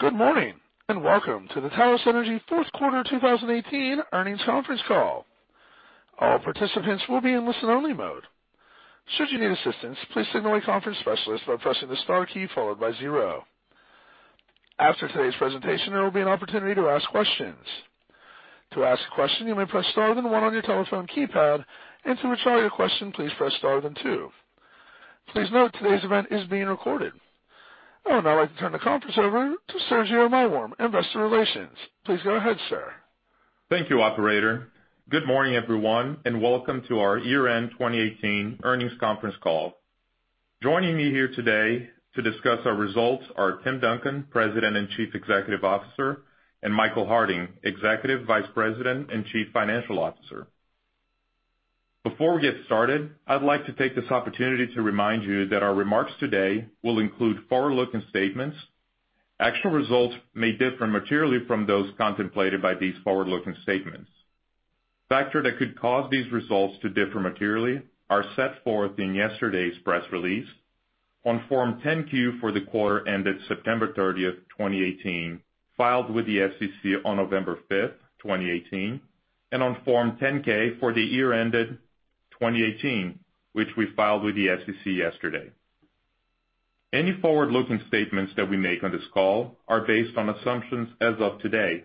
Good morning, and welcome to the Talos Energy fourth quarter 2018 earnings conference call. All participants will be in listen only mode. Should you need assistance, please signal a conference specialist by pressing the star key followed by 0. After today's presentation, there will be an opportunity to ask questions. To ask a question, you may press star 1 on your telephone keypad, and to withdraw your question, please press star 2. Please note, today's event is being recorded. I would now like to turn the conference over to Sergio Maiworm, investor relations. Please go ahead, sir. Thank you, operator. Good morning, everyone, and welcome to our year-end 2018 earnings conference call. Joining me here today to discuss our results are Tim Duncan, President and Chief Executive Officer, and Michael Harding, Executive Vice President and Chief Financial Officer. Before we get started, I'd like to take this opportunity to remind you that our remarks today will include forward-looking statements. Actual results may differ materially from those contemplated by these forward-looking statements. Factors that could cause these results to differ materially are set forth in yesterday's press release on Form 10-Q for the quarter ended September 30th, 2018, filed with the SEC on November 5th, 2018, and on Form 10-K for the year ended 2018, which we filed with the SEC yesterday. Any forward-looking statements that we make on this call are based on assumptions as of today.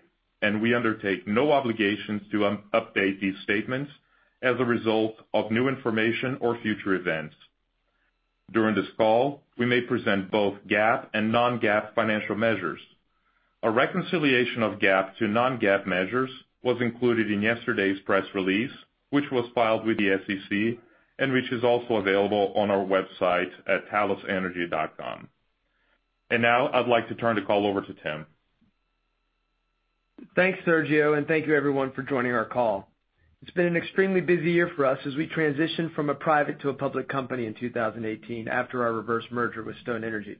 We undertake no obligations to update these statements as a result of new information or future events. During this call, we may present both GAAP and non-GAAP financial measures. A reconciliation of GAAP to non-GAAP measures was included in yesterday's press release, which was filed with the SEC and which is also available on our website at talosenergy.com. Now I'd like to turn the call over to Tim. Thanks, Sergio. Thank you everyone for joining our call. It's been an extremely busy year for us as we transition from a private to a public company in 2018 after our reverse merger with Stone Energy.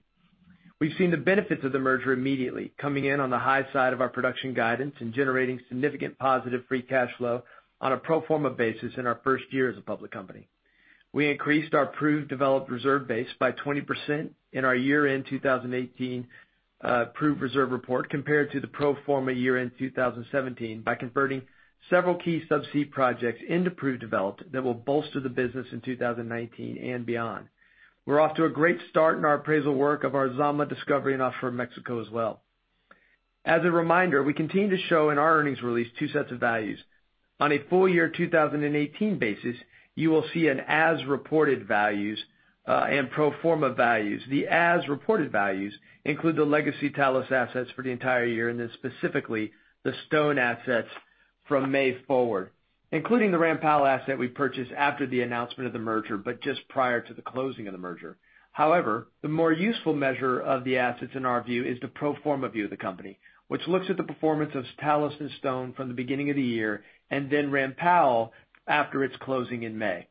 We've seen the benefits of the merger immediately coming in on the high side of our production guidance and generating significant positive free cash flow on a pro forma basis in our first year as a public company. We increased our proved developed reserve base by 20% in our year-end 2018 proved reserve report compared to the pro forma year-end 2017 by converting several key subsea projects into proved developed that will bolster the business in 2019 and beyond. We're off to a great start in our appraisal work of our Zama discovery in offshore Mexico as well. As a reminder, we continue to show in our earnings release two sets of values. On a full year 2018 basis, you will see as-reported values, pro forma values. The as-reported values include the legacy Talos assets for the entire year, then specifically the Stone assets from May forward, including the Ram Powell asset we purchased after the announcement of the merger, but just prior to the closing of the merger. The more useful measure of the assets in our view is the pro forma view of the company, which looks at the performance of Talos and Stone from the beginning of the year then Ram Powell after its closing in May.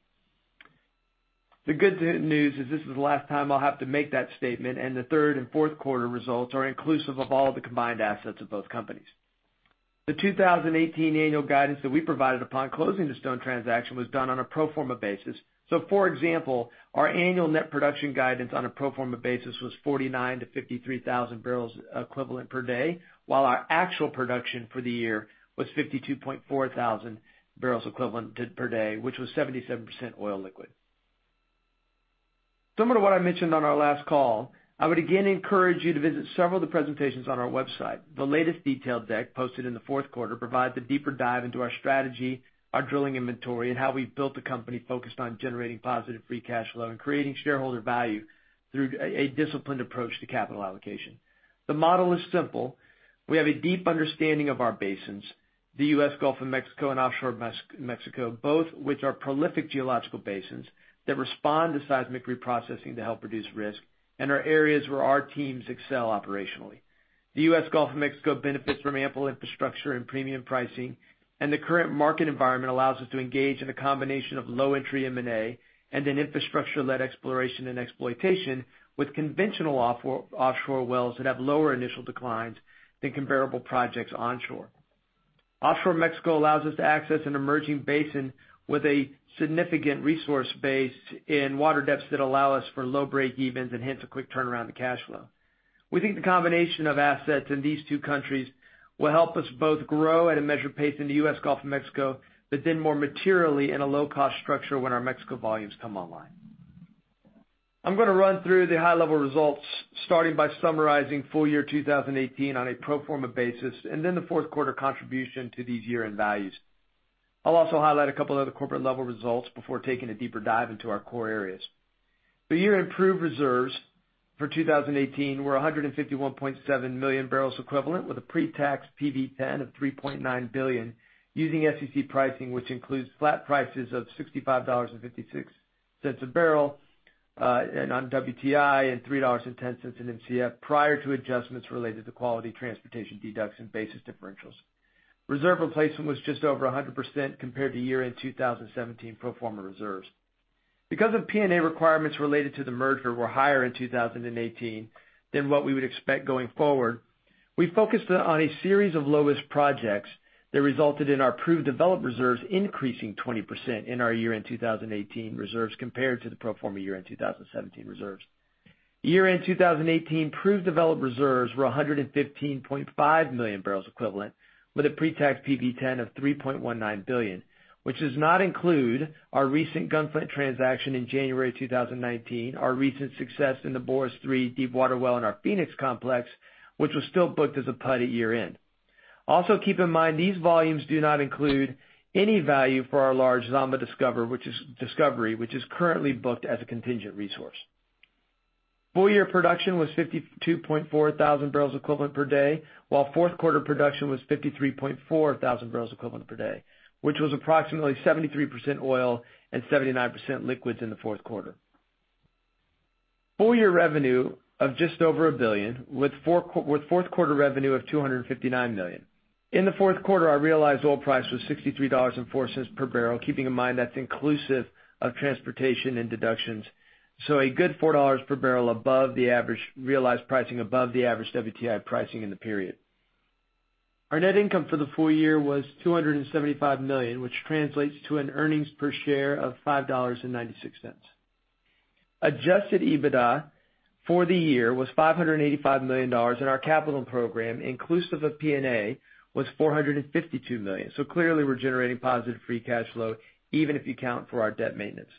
The good news is this is the last time I'll have to make that statement, the third and fourth quarter results are inclusive of all the combined assets of both companies. The 2018 annual guidance that we provided upon closing the Stone transaction was done on a pro forma basis. For example, our annual net production guidance on a pro forma basis was 49,000-53,000 barrels equivalent per day, while our actual production for the year was 52.4 thousand barrels equivalent per day, which was 77% oil liquid. Similar to what I mentioned on our last call, I would again encourage you to visit several of the presentations on our website. The latest detailed deck posted in the fourth quarter provides a deeper dive into our strategy, our drilling inventory, and how we've built a company focused on generating positive free cash flow and creating shareholder value through a disciplined approach to capital allocation. The model is simple. We have a deep understanding of our basins, the U.S. Gulf of Mexico and offshore Mexico, both which are prolific geological basins that respond to seismic reprocessing to help reduce risk and are areas where our teams excel operationally. The U.S. Gulf of Mexico benefits from ample infrastructure and premium pricing, the current market environment allows us to engage in a combination of low entry M&A an infrastructure-led exploration and exploitation with conventional offshore wells that have lower initial declines than comparable projects onshore. Offshore Mexico allows us to access an emerging basin with a significant resource base in water depths that allow us for low breakevens a quick turnaround to cash flow. We think the combination of assets in these two countries will help us both grow at a measured pace in the U.S. Gulf of Mexico, more materially in a low-cost structure when our Mexico volumes come online. I'm going to run through the high-level results, starting by summarizing full year 2018 on a pro forma basis the fourth quarter contribution to these year-end values. I'll also highlight a couple other corporate-level results before taking a deeper dive into our core areas. The year-end proved reserves for 2018 were 151.7 million barrels equivalent, with a pre-tax PV-10 of $3.9 billion using SEC pricing, which includes flat prices of $65.56 a barrel on WTI and $3.10 an Mcf prior to adjustments related to quality transportation deducts and basis differentials. Reserve replacement was just over 100% compared to year-end 2017 pro forma reserves. Because P&A requirements related to the merger were higher in 2018 than what we would expect going forward, we focused on a series of low-cost projects that resulted in our proved developed reserves increasing 20% in our year-end 2018 reserves compared to the pro forma year-end 2017 reserves. Year-end 2018 proved developed reserves were 115.5 million barrels equivalent with a pre-tax PV-10 of $3.19 billion, which does not include our recent Gunflint transaction in January 2019, our recent success in the Boris 3 deepwater well in our Phoenix Complex, which was still booked as a PUD at year-end. Also, keep in mind, these volumes do not include any value for our large Zama discovery, which is currently booked as a contingent resource. Full year production was 52.4 thousand barrels equivalent per day, while fourth quarter production was 53.4 thousand barrels equivalent per day, which was approximately 73% oil and 79% liquids in the fourth quarter. Full year revenue of just over $1 billion, with fourth quarter revenue of $259 million. In the fourth quarter, our realized oil price was $63.04 per barrel, keeping in mind that's inclusive of transportation and deductions, so a good $4 per barrel above the average realized pricing above the average WTI pricing in the period. Our net income for the full year was $275 million, which translates to an earnings per share of $5.96. Adjusted EBITDA for the year was $585 million, and our capital program, inclusive of P&A, was $452 million. Clearly, we're generating positive free cash flow even if you account for our debt maintenance.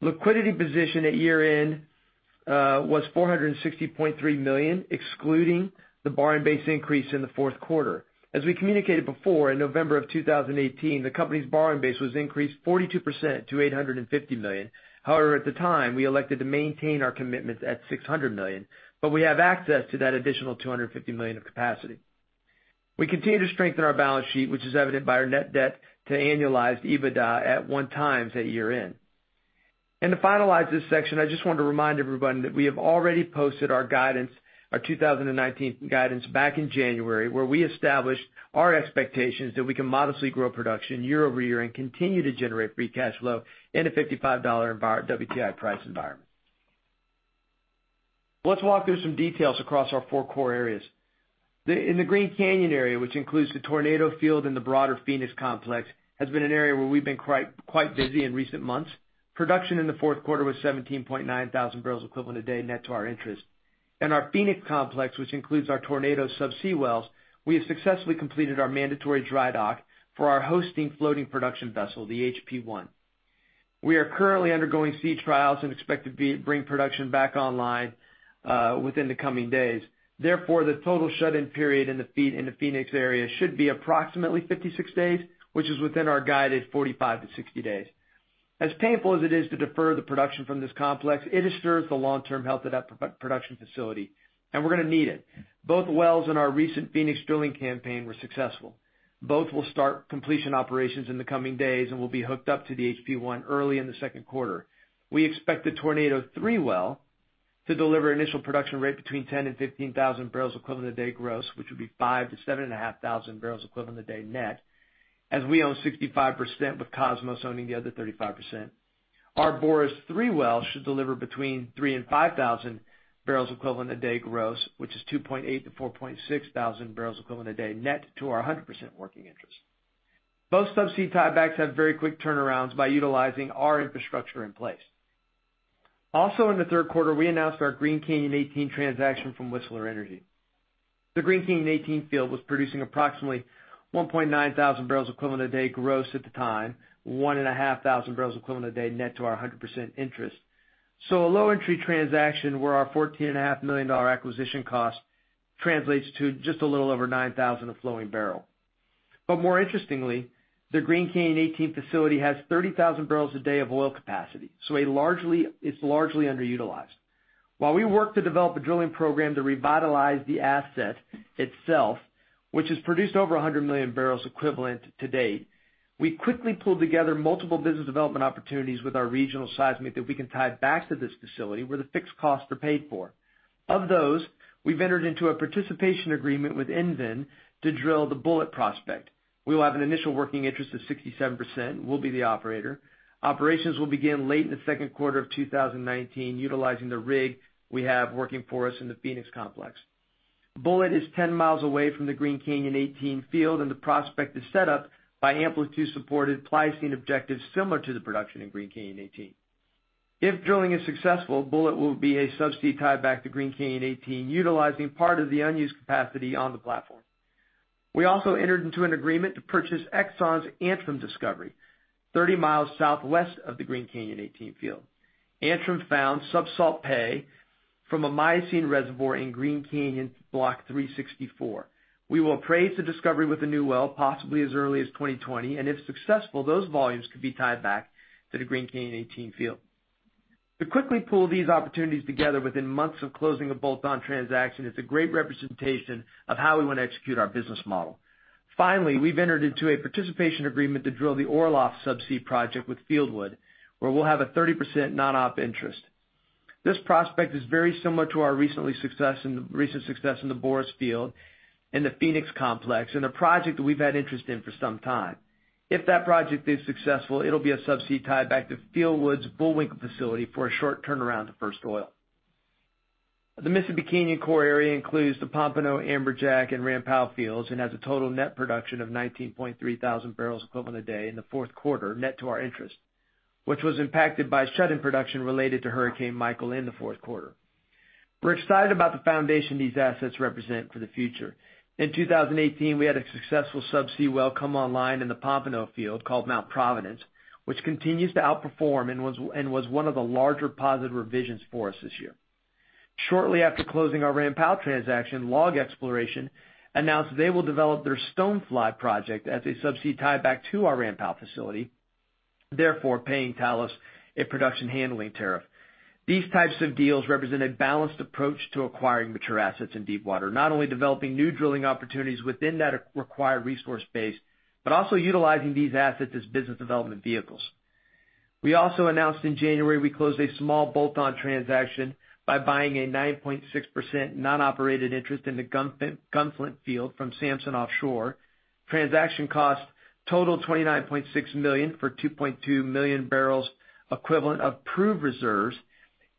Liquidity position at year-end was $460.3 million, excluding the borrowing base increase in the fourth quarter. As we communicated before, in November of 2018, the company's borrowing base was increased 42% to $850 million. At the time, we elected to maintain our commitments at $600 million. We have access to that additional $250 million of capacity. We continue to strengthen our balance sheet, which is evident by our net debt to annualized EBITDA at one times at year-end. To finalize this section, I just wanted to remind everyone that we have already posted our 2019 guidance back in January, where we established our expectations that we can modestly grow production year-over-year and continue to generate free cash flow in a $55 WTI price environment. Let's walk through some details across our four core areas. In the Green Canyon area, which includes the Tornado field and the broader Phoenix Complex, has been an area where we've been quite busy in recent months. Production in the fourth quarter was 17.9 thousand barrels equivalent a day net to our interest. In our Phoenix Complex, which includes our Tornado subsea wells, we have successfully completed our mandatory dry dock for our hosting floating production vessel, the HP-1. We are currently undergoing sea trials and expect to bring production back online within the coming days. Therefore, the total shut-in period in the Phoenix area should be approximately 56 days, which is within our guided 45 to 60 days. As painful as it is to defer the production from this complex, it assures the long-term health of that production facility, and we're going to need it. Both wells in our recent Phoenix drilling campaign were successful. Both will start completion operations in the coming days and will be hooked up to the HP-1 early in the second quarter. We expect the Tornado 3 well to deliver initial production rate between 10,000 and 15,000 barrels equivalent a day gross, which would be 5,000 to 7,500 barrels equivalent a day net, as we own 65% with Kosmos owning the other 35%. Our Boris 3 well should deliver between 3,000 and 5,000 barrels equivalent a day gross, which is 2.8 to 4.6 thousand barrels equivalent a day net to our 100% working interest. Both subsea tiebacks have very quick turnarounds by utilizing our infrastructure in place. In the third quarter, we announced our Green Canyon 18 transaction from Whistler Energy II. The Green Canyon 18 field was producing approximately 1.9 thousand barrels equivalent a day gross at the time, 1,500 barrels equivalent a day net to our 100% interest. A low entry transaction where our $14.5 million acquisition cost translates to just a little over $9,000 a flowing barrel. More interestingly, the Green Canyon 18 facility has 30,000 barrels a day of oil capacity, it's largely underutilized. While we work to develop a drilling program to revitalize the asset itself, which has produced over 100 million barrels equivalent to date, we quickly pulled together multiple business development opportunities with our regional seismic that we can tie back to this facility where the fixed costs are paid for. Of those, we've entered into a participation agreement with EnVen to drill the Bulleit prospect. We will have an initial working interest of 67%, and we'll be the operator. Operations will begin late in the second quarter of 2019, utilizing the rig we have working for us in the Phoenix Complex. Bulleit is 10 miles away from the Green Canyon 18 field, the prospect is set up by amplitude supported Pliocene objectives similar to the production in Green Canyon 18. If drilling is successful, Bulleit will be a subsea tieback to Green Canyon 18, utilizing part of the unused capacity on the platform. We also entered into an agreement to purchase Exxon's Antrim discovery, 30 miles southwest of the Green Canyon 18 field. Antrim found subsalt pay from a Miocene reservoir in Green Canyon Block 364. We will appraise the discovery with a new well, possibly as early as 2020, if successful, those volumes could be tied back to the Green Canyon 18 field. To quickly pull these opportunities together within months of closing a bolt-on transaction is a great representation of how we want to execute our business model. We've entered into a participation agreement to drill the Orlov subsea project with Fieldwood, where we'll have a 30% non-op interest. This prospect is very similar to our recent success in the Boris field and the Phoenix Complex, a project that we've had interest in for some time. If that project is successful, it'll be a subsea tieback to Fieldwood's Bullwinkle facility for a short turnaround to first oil. The Mississippi Canyon core area includes the Pompano, Amberjack, and Ram Powell fields and has a total net production of 19,300 barrels equivalent a day in the fourth quarter net to our interest, which was impacted by shut-in production related to Hurricane Michael in the fourth quarter. We're excited about the foundation these assets represent for the future. In 2018, we had a successful subsea well come online in the Pompano field called Mount Providence, which continues to outperform and was one of the larger positive revisions for us this year. Shortly after closing our Ram Powell transaction, LLOG Exploration announced they will develop their Stonefly project as a subsea tieback to our Ram Powell facility, therefore paying Talos a production handling tariff. These types of deals represent a balanced approach to acquiring mature assets in deepwater, not only developing new drilling opportunities within that required resource base, but also utilizing these assets as business development vehicles. We also announced in January we closed a small bolt-on transaction by buying a 9.6% non-operated interest in the Gunflint field from Samson Offshore. Transaction cost total $29.6 million for 2.2 million barrels equivalent of proved reserves.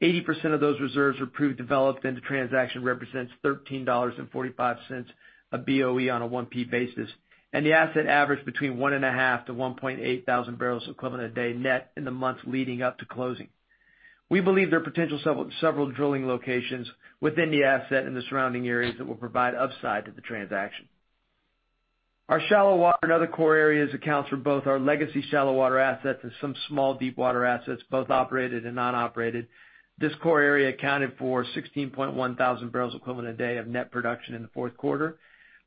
80% of those reserves were proved developed. The transaction represents $13.45 a BOE on a 1P basis. The asset averaged between 1.5-1.8 thousand barrels equivalent a day net in the months leading up to closing. We believe there are potential several drilling locations within the asset and the surrounding areas that will provide upside to the transaction. Our shallow water and other core areas accounts for both our legacy shallow water assets and some small deepwater assets, both operated and non-operated. This core area accounted for 16,100 barrels equivalent a day of net production in the fourth quarter.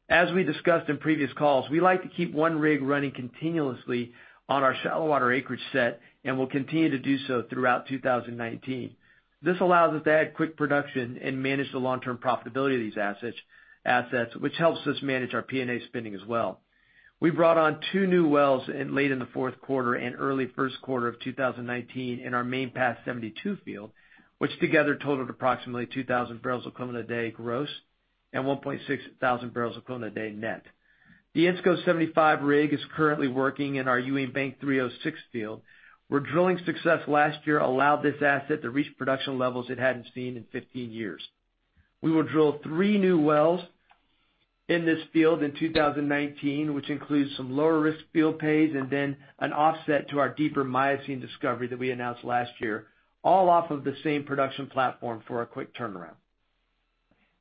As we discussed in previous calls, we like to keep one rig running continuously on our shallow water acreage set and will continue to do so throughout 2019. This allows us to add quick production and manage the long-term profitability of these assets, which helps us manage our P&A spending as well. We brought on two new wells late in the fourth quarter and early first quarter of 2019 in our Main Pass 72 field, which together totaled approximately 2,000 barrels equivalent a day gross and 1.6 thousand barrels equivalent a day net. The ENSCO 75 rig is currently working in our Ewing Bank 306 field, where drilling success last year allowed this asset to reach production levels it hadn't seen in 15 years. We will drill three new wells in this field in 2019, which includes some lower risk field pays, then an offset to our deeper Miocene discovery that we announced last year, all off of the same production platform for a quick turnaround.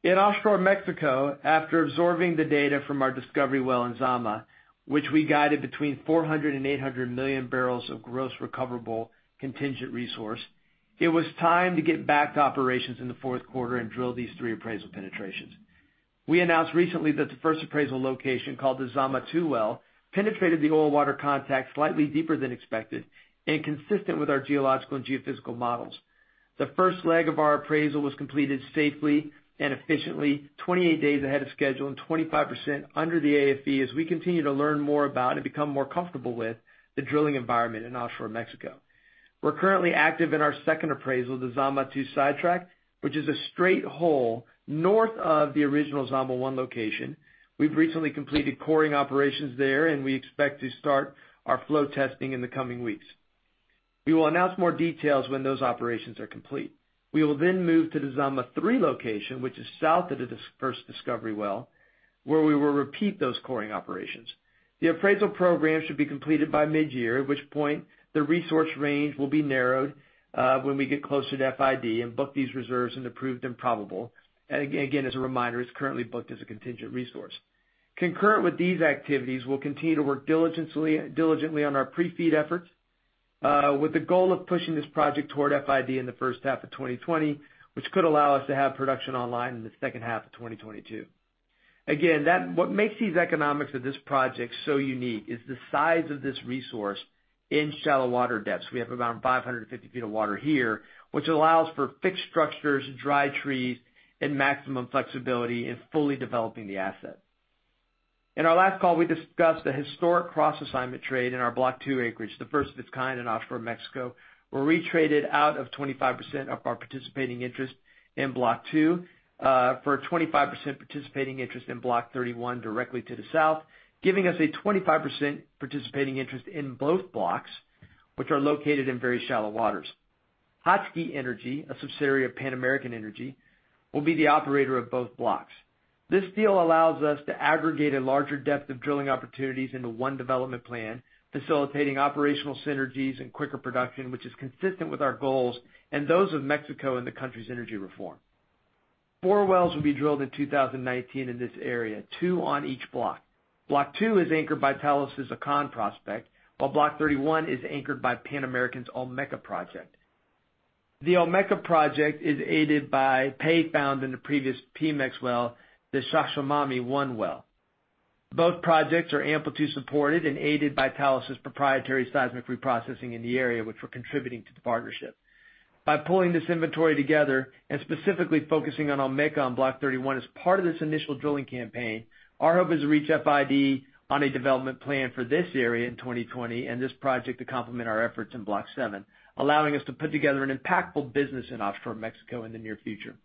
In offshore Mexico, after absorbing the data from our discovery well in Zama, which we guided between 400-800 million barrels of gross recoverable contingent resource, it was time to get back to operations in the fourth quarter and drill these three appraisal penetrations. We announced recently that the first appraisal location, called the Zama-2 well, penetrated the oil water contact slightly deeper than expected and consistent with our geological and geophysical models. The first leg of our appraisal was completed safely and efficiently, 28 days ahead of schedule and 25% under the AFE as we continue to learn more about and become more comfortable with the drilling environment in offshore Mexico. We're currently active in our second appraisal, the Zama-2 sidetrack, which is a straight hole north of the original Zama-1 location. We've recently completed coring operations there. We expect to start our flow testing in the coming weeks. We will announce more details when those operations are complete. We will move to the Zama-3 location, which is south of the first discovery well, where we will repeat those coring operations. The appraisal program should be completed by mid-year, at which point the resource range will be narrowed, when we get closer to FID and book these reserves into proved and probable. Again, as a reminder, it's currently booked as a contingent resource. Concurrent with these activities, we'll continue to work diligently on our pre-FEED efforts, with the goal of pushing this project toward FID in the first half of 2020, which could allow us to have production online in the second half of 2022. Again, what makes these economics of this project so unique is the size of this resource in shallow water depths. We have around 550 feet of water here, which allows for fixed structures, dry trees, and maximum flexibility in fully developing the asset. In our last call, we discussed the historic cross assignment trade in our Block 2 acreage, the first of its kind in offshore Mexico, where we traded out of 25% of our participating interest in Block 2 for a 25% participating interest in Block 31 directly to the south, giving us a 25% participating interest in both blocks, which are located in very shallow waters. Hokchi Energy, a subsidiary of Pan American Energy, will be the operator of both blocks. This deal allows us to aggregate a larger depth of drilling opportunities into one development plan, facilitating operational synergies and quicker production, which is consistent with our goals and those of Mexico and the country's energy reform. Four wells will be drilled in 2019 in this area, two on each block. Block 2 is anchored by Talos' Zacán prospect, while Block 31 is anchored by Pan American's Olmeca project. The Olmeca project is aided by pay found in the previous PEMEX well, the Xaxamani-1 well. Both projects are amplitude supported and aided by Talos' proprietary seismic reprocessing in the area, which we're contributing to the partnership. By pulling this inventory together and specifically focusing on Olmeca on Block 31 as part of this initial drilling campaign, our hope is to reach FID on a development plan for this area in 2020 and this project to complement our efforts in Block 7, allowing us to put together an impactful business in offshore Mexico in the near future.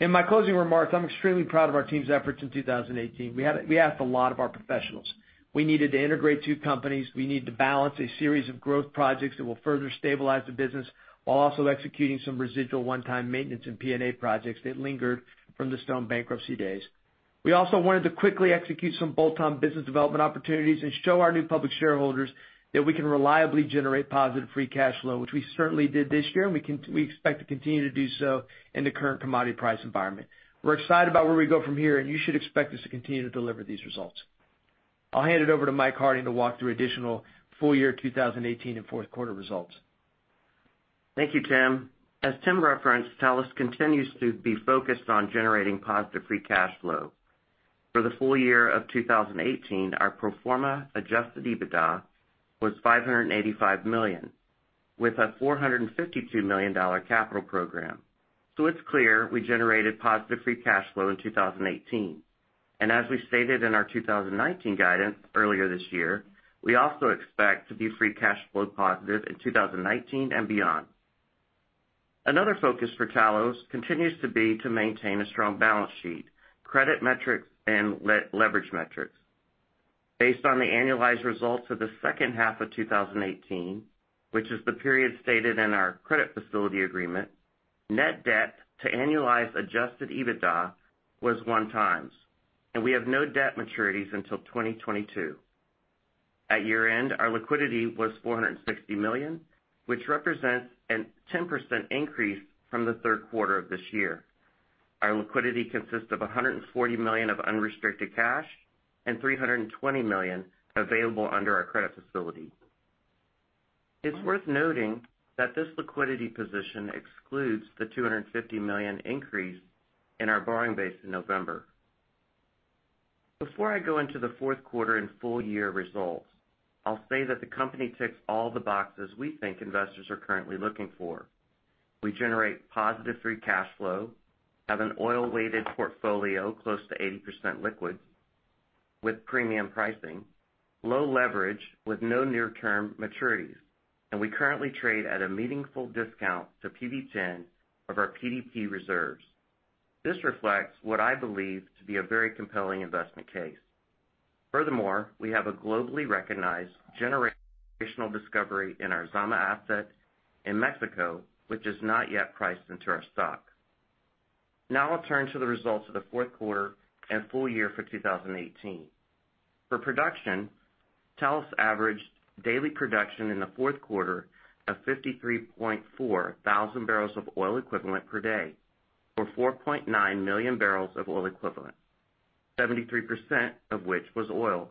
In my closing remarks, I'm extremely proud of our team's efforts in 2018. We asked a lot of our professionals. We needed to integrate two companies. We need to balance a series of growth projects that will further stabilize the business, while also executing some residual one-time maintenance and P&A projects that lingered from the Stone bankruptcy days. We also wanted to quickly execute some bolt-on business development opportunities and show our new public shareholders that we can reliably generate positive free cash flow, which we certainly did this year, and we expect to continue to do so in the current commodity price environment. We're excited about where we go from here, and you should expect us to continue to deliver these results. I'll hand it over to Mike Harding to walk through additional full year 2018 and fourth quarter results. Thank you, Tim. As Tim referenced, Talos continues to be focused on generating positive free cash flow. For the full year of 2018, our pro forma adjusted EBITDA was $585 million, with a $452 million capital program. It's clear we generated positive free cash flow in 2018. As we stated in our 2019 guidance earlier this year, we also expect to be free cash flow positive in 2019 and beyond. Another focus for Talos continues to be to maintain a strong balance sheet, credit metrics, and leverage metrics. Based on the annualized results for the second half of 2018, which is the period stated in our credit facility agreement, net debt to annualized adjusted EBITDA was 1x, and we have no debt maturities until 2022. At year-end, our liquidity was $460 million, which represents a 10% increase from the third quarter of this year. Our liquidity consists of $140 million of unrestricted cash and $320 million available under our credit facility. It's worth noting that this liquidity position excludes the $250 million increase in our borrowing base in November. Before I go into the fourth quarter and full year results, I'll say that the company ticks all the boxes we think investors are currently looking for. We generate positive free cash flow, have an oil-weighted portfolio close to 80% liquids with premium pricing, low leverage with no near-term maturities, and we currently trade at a meaningful discount to PV-10 of our PDP reserves. This reflects what I believe to be a very compelling investment case. Furthermore, we have a globally recognized generational discovery in our Zama asset in Mexico, which is not yet priced into our stock. I'll turn to the results of the fourth quarter and full year for 2018. For production, Talos averaged daily production in the fourth quarter of 53.4 thousand barrels of oil equivalent per day, or 4.9 million barrels of oil equivalent, 73% of which was oil.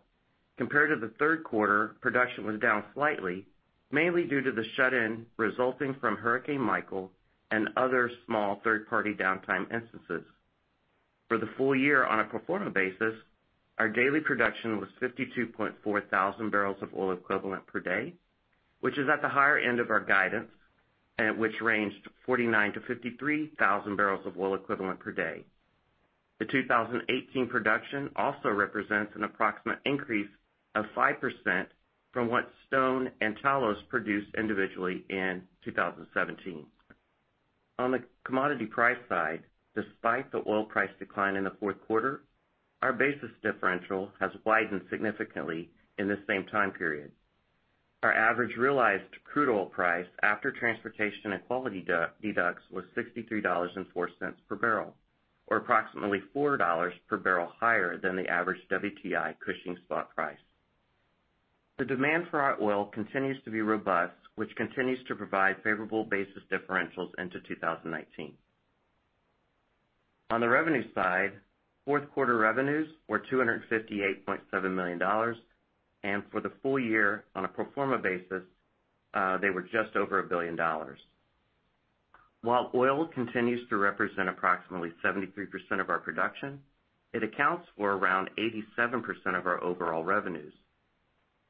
Compared to the third quarter, production was down slightly, mainly due to the shut-in resulting from Hurricane Michael and other small third-party downtime instances. For the full year on a pro forma basis, our daily production was 52.4 thousand barrels of oil equivalent per day, which is at the higher end of our guidance, which ranged 49 to 53 thousand barrels of oil equivalent per day. The 2018 production also represents an approximate increase of 5% from what Stone and Talos produced individually in 2017. On the commodity price side, despite the oil price decline in the fourth quarter, our basis differential has widened significantly in the same time period. Our average realized crude oil price after transportation and quality deducts was $63.04 per barrel, or approximately $4 per barrel higher than the average WTI Cushing spot price. The demand for our oil continues to be robust, which continues to provide favorable basis differentials into 2019. On the revenue side, fourth quarter revenues were $258.7 million. For the full year, on a pro forma basis, they were just over $1 billion. While oil continues to represent approximately 73% of our production, it accounts for around 87% of our overall revenues.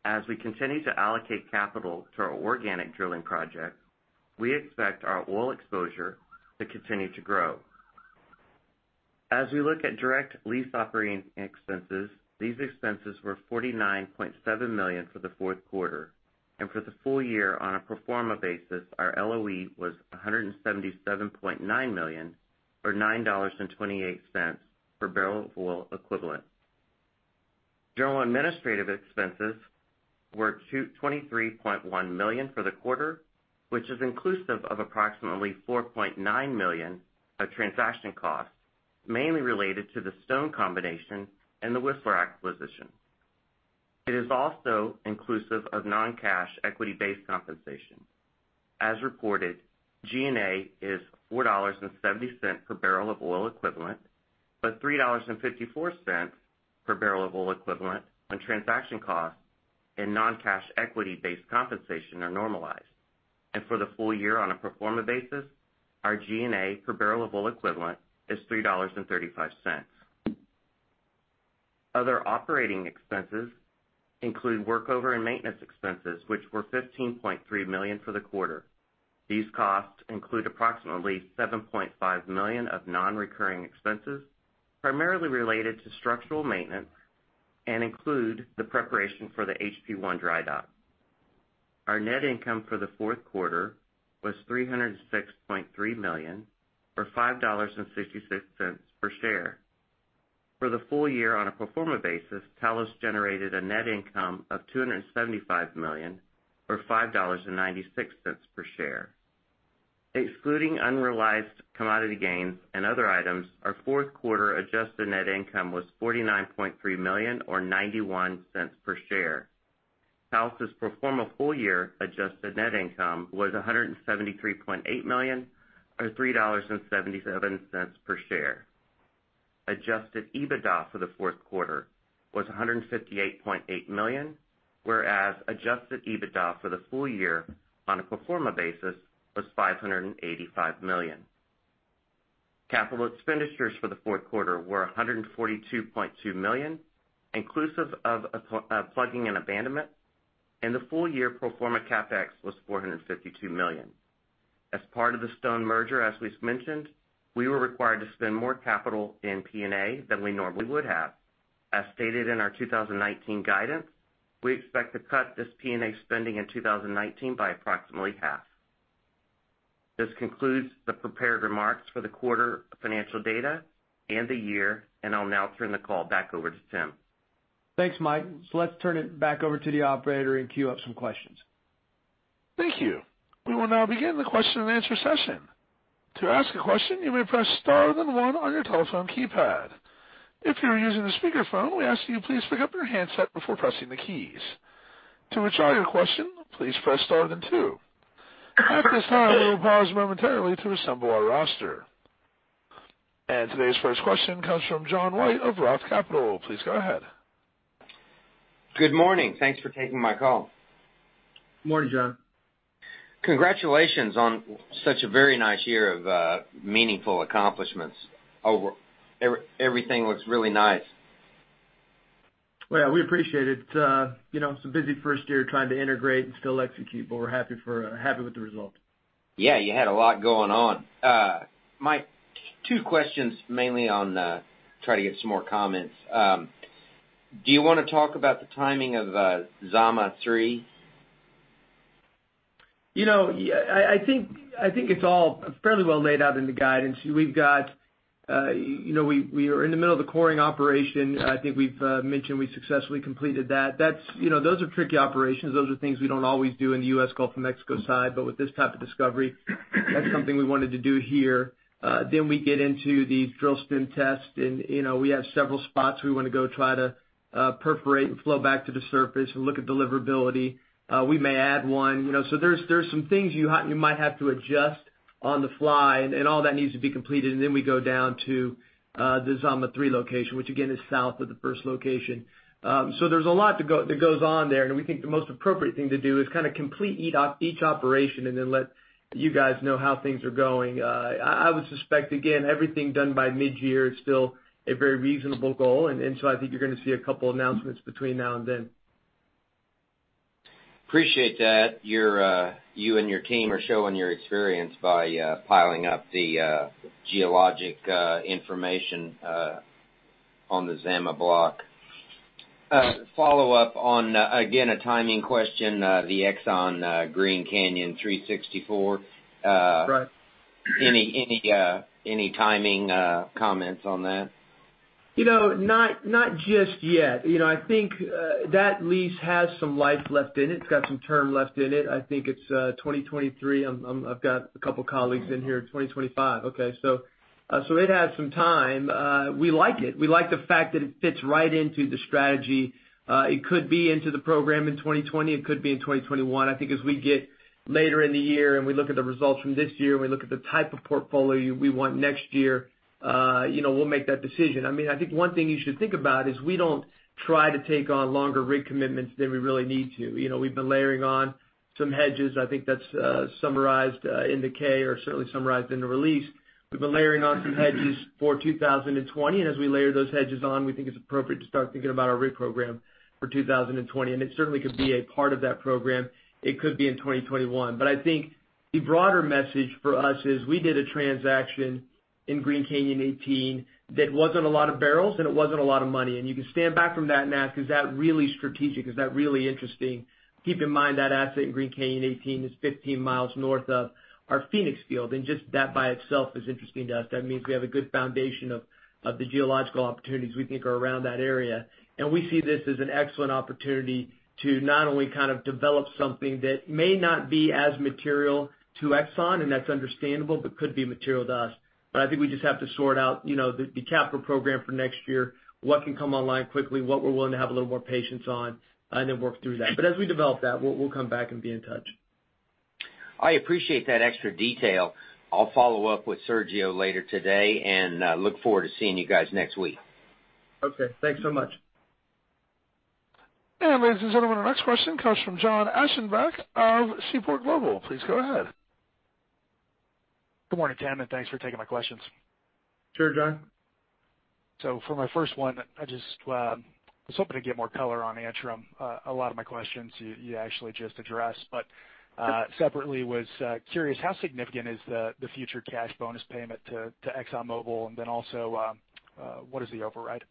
As we continue to allocate capital to our organic drilling project, we expect our oil exposure to continue to grow. As we look at direct lease operating expenses, these expenses were $49.7 million for the fourth quarter. For the full year, on a pro forma basis, our LOE was $177.9 million, or $9.28 per barrel of oil equivalent. General administrative expenses were $23.1 million for the quarter, which is inclusive of approximately $4.9 million of transaction costs, mainly related to the Stone combination and the Whistler acquisition. It is also inclusive of non-cash equity-based compensation. As reported, G&A is $4.70 per barrel of oil equivalent, but $3.54 per barrel of oil equivalent when transaction costs and non-cash equity-based compensation are normalized. For the full year on a pro forma basis, our G&A per barrel of oil equivalent is $3.35. Other operating expenses include workover and maintenance expenses, which were $15.3 million for the quarter. These costs include approximately $7.5 million of non-recurring expenses, primarily related to structural maintenance, and include the preparation for the HP-1 dry dock. Our net income for the fourth quarter was $306.3 million or $5.66 per share. For the full year on a pro forma basis, Talos generated a net income of $275 million or $5.96 per share. Excluding unrealized commodity gains and other items, our fourth quarter adjusted net income was $49.3 million or $0.91 per share. Talos' pro forma full-year adjusted net income was $173.8 million or $3.77 per share. Adjusted EBITDA for the fourth quarter was $158.8 million, whereas adjusted EBITDA for the full year on a pro forma basis was $585 million. Capital expenditures for the fourth quarter were $142.2 million, inclusive of P&A, and the full-year pro forma CapEx was $452 million. As part of the Stone merger, as we mentioned, we were required to spend more capital in P&A than we normally would have. As stated in our 2019 guidance, we expect to cut this P&A spending in 2019 by approximately half. This concludes the prepared remarks for the quarter financial data and the year. I'll now turn the call back over to Tim. Thanks, Mike. Let's turn it back over to the operator and queue up some questions. Thank you. We will now begin the question and answer session. To ask a question, you may press star then one on your telephone keypad. If you are using a speakerphone, we ask that you please pick up your handset before pressing the keys. To withdraw your question, please press star then two. At this time, we will pause momentarily to assemble our roster. Today's first question comes from John White of Roth Capital. Please go ahead. Good morning. Thanks for taking my call. Morning, John. Congratulations on such a very nice year of meaningful accomplishments. Everything looks really nice. Well, we appreciate it. It's a busy first year trying to integrate and still execute, but we're happy with the result. Yeah, you had a lot going on. Mike, two questions mainly on trying to get some more comments. Do you want to talk about the timing of Zama-3? I think it's all fairly well laid out in the guidance. We are in the middle of the coring operation. I think we've mentioned we successfully completed that. Those are tricky operations. Those are things we don't always do in the U.S. Gulf of Mexico side. With this type of discovery, that's something we wanted to do here. We get into the drill stem test, and we have several spots we want to go try to perforate and flow back to the surface and look at deliverability. We may add one. There's some things you might have to adjust on the fly, and all that needs to be completed, and then we go down to the Zama-3 location, which again, is south of the first location. There's a lot that goes on there, and we think the most appropriate thing to do is complete each operation and then let you guys know how things are going. I would suspect, again, everything done by mid-year is still a very reasonable goal, and so I think you're going to see a couple announcements between now and then. Appreciate that. You and your team are showing your experience by piling up the geologic information on the Zama block. Follow-up on, again, a timing question, the Exxon Green Canyon 364. Right. Any timing comments on that? Not just yet. I think that lease has some life left in it. It's got some term left in it. I think it's 2023. I've got a couple of colleagues in here. 2025. Okay. It has some time. We like it. We like the fact that it fits right into the strategy. It could be into the program in 2020. It could be in 2021. I think as we get later in the year, and we look at the results from this year, and we look at the type of portfolio we want next year, we'll make that decision. I think one thing you should think about is we don't try to take on longer rig commitments than we really need to. We've been layering on some hedges. I think that's summarized in the K or certainly summarized in the release. We've been layering on some hedges for 2020. As we layer those hedges on, we think it's appropriate to start thinking about our rig program for 2020. It certainly could be a part of that program. It could be in 2021. I think the broader message for us is we did a transaction in Green Canyon 18 that wasn't a lot of barrels, and it wasn't a lot of money. You can stand back from that and ask, is that really strategic? Is that really interesting? Keep in mind that asset in Green Canyon 18 is 15 miles north of our Phoenix field. Just that by itself is interesting to us. That means we have a good foundation of the geological opportunities we think are around that area. We see this as an excellent opportunity to not only develop something that may not be as material to Exxon, and that's understandable, but could be material to us. I think we just have to sort out the capital program for next year, what can come online quickly, what we're willing to have a little more patience on, and then work through that. As we develop that, we'll come back and be in touch. I appreciate that extra detail. I'll follow up with Sergio later today and look forward to seeing you guys next week. Okay. Thanks so much. Ladies and gentlemen, our next question comes from John Aschenbeck of Seaport Global. Please go ahead. Good morning, Tim, and thanks for taking my questions. Sure, John. For my first one, I just was hoping to get more color on Antrim. A lot of my questions you actually just addressed. Separately, was curious how significant is the future cash bonus payment to ExxonMobil, and then also, what is the override?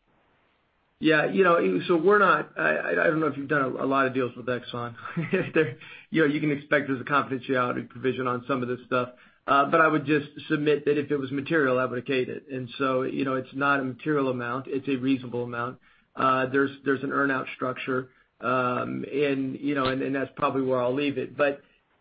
Yeah. I don't know if you've done a lot of deals with Exxon. You can expect there's a confidentiality provision on some of this stuff. I would just submit that if it was material, I would have stated. It's not a material amount. It's a reasonable amount. There's an earn-out structure. That's probably where I'll leave it.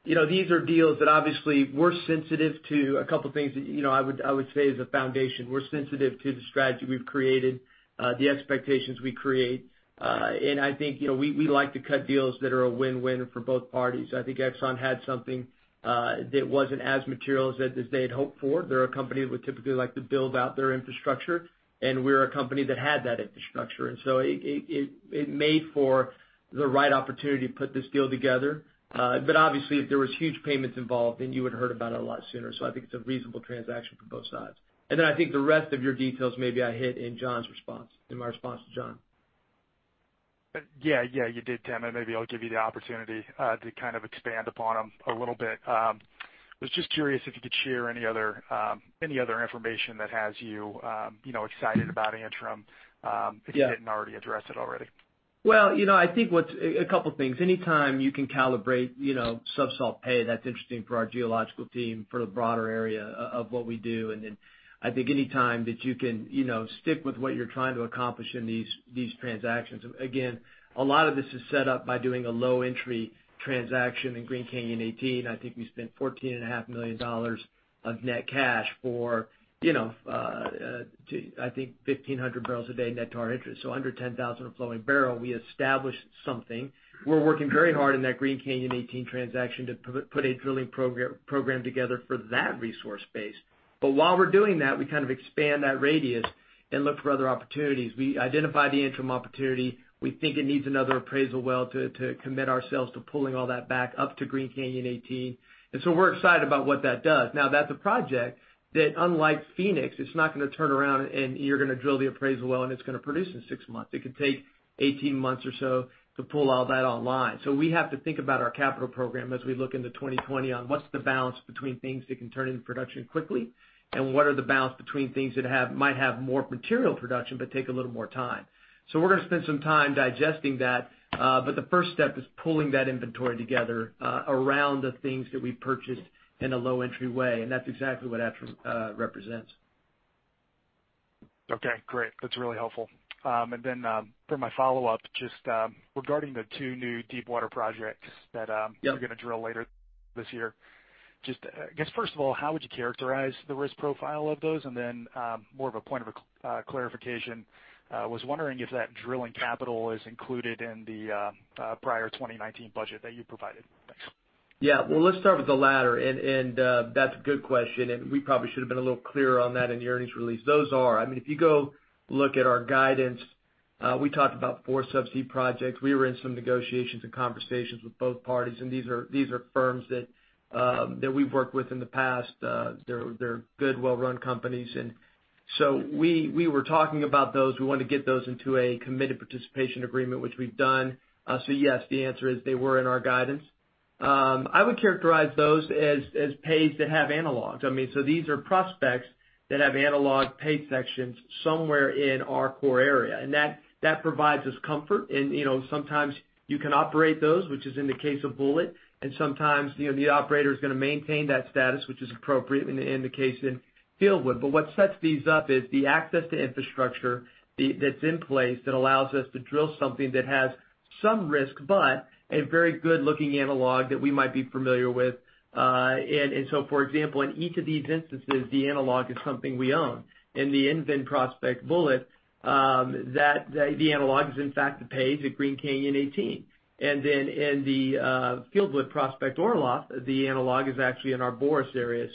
These are deals that obviously we're sensitive to two things that I would say as a foundation. We're sensitive to the strategy we've created, the expectations we create. I think we like to cut deals that are a win-win for both parties. I think Exxon had something that wasn't as material as they had hoped for. They're a company that would typically like to build out their infrastructure, and we're a company that had that infrastructure. It made for the right opportunity to put this deal together. Obviously, if there was huge payments involved, you would've heard about it a lot sooner. I think it's a reasonable transaction for both sides. I think the rest of your details maybe I hit in my response to John. Yeah, you did, Tim. Maybe I'll give you the opportunity to expand upon them a little bit. I was just curious if you could share any other information that has you excited about Antrim Yeah If you didn't already address it already. Well, 2 things. Anytime you can calibrate subsalt pay, that's interesting for our geological team, for the broader area of what we do. I think any time that you can stick with what you're trying to accomplish in these transactions. Again, a lot of this is set up by doing a low entry transaction in Green Canyon 18. I think we spent $14.5 million of net cash for I think 1,500 barrels a day net to our interest. So under 10,000 a flowing barrel, we established something. We're working very hard in that Green Canyon 18 transaction to put a drilling program together for that resource base. While we're doing that, we expand that radius and look for other opportunities. We identified the Antrim opportunity. We think it needs another appraisal well to commit ourselves to pulling all that back up to Green Canyon 18. We're excited about what that does. Now, that's a project that, unlike Phoenix, it's not going to turn around and you're going to drill the appraisal well, and it's going to produce in 6 months. It could take 18 months or so to pull all that online. We have to think about our capital program as we look into 2020 on what's the balance between things that can turn into production quickly, and what are the balance between things that might have more material production but take a little more time. We're going to spend some time digesting that. The first step is pulling that inventory together around the things that we purchased in a low entry way, and that's exactly what Antrim represents. Okay, great. That's really helpful. For my follow-up, just regarding the 2 new deepwater projects that- Yep you're going to drill later this year. Just, I guess, first of all, how would you characterize the risk profile of those? More of a point of clarification, I was wondering if that drilling capital is included in the prior 2019 budget that you provided. Thanks. Yeah. Well, let's start with the latter, and that's a good question, and we probably should've been a little clearer on that in the earnings release. If you go look at our guidance, we talked about four subsea projects. We were in some negotiations and conversations with both parties, and these are firms that we've worked with in the past. They're good, well-run companies. We were talking about those. We wanted to get those into a committed participation agreement, which we've done. Yes, the answer is they were in our guidance. I would characterize those as pays that have analogs. These are prospects that have analog pay sections somewhere in our core area, and that provides us comfort. Sometimes you can operate those, which is in the case of Bulleit, and sometimes the operator is going to maintain that status, which is appropriate in the case in Fieldwood. What sets these up is the access to infrastructure that's in place that allows us to drill something that has some risk, but a very good looking analog that we might be familiar with. For example, in each of these instances, the analog is something we own. In the EnVen prospect Bulleit, the analog is in fact the pays at Green Canyon 18. In the Fieldwood prospect Orlov, the analog is actually in our Boris area.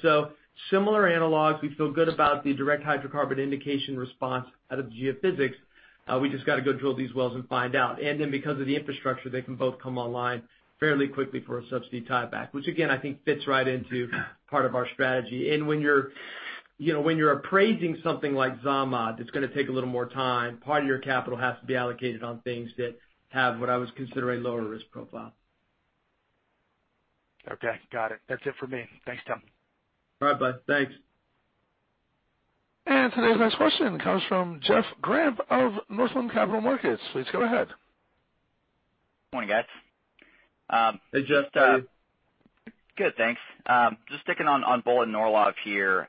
Similar analogs. We feel good about the direct hydrocarbon indication response out of the geophysics. We just got to go drill these wells and find out. Because of the infrastructure, they can both come online fairly quickly for a subsea tieback, which again, I think fits right into part of our strategy. When you're appraising something like Zama, that's going to take a little more time, part of your capital has to be allocated on things that have what I would consider a lower risk profile. Okay, got it. That's it for me. Thanks, Tim. All right, bud. Thanks. Today's next question comes from Jeff Grampp of Northland Capital Markets. Please go ahead. Morning, guys. Hey, Jeff. How are you? Good, thanks. Just sticking on Bulleit and Orlov here.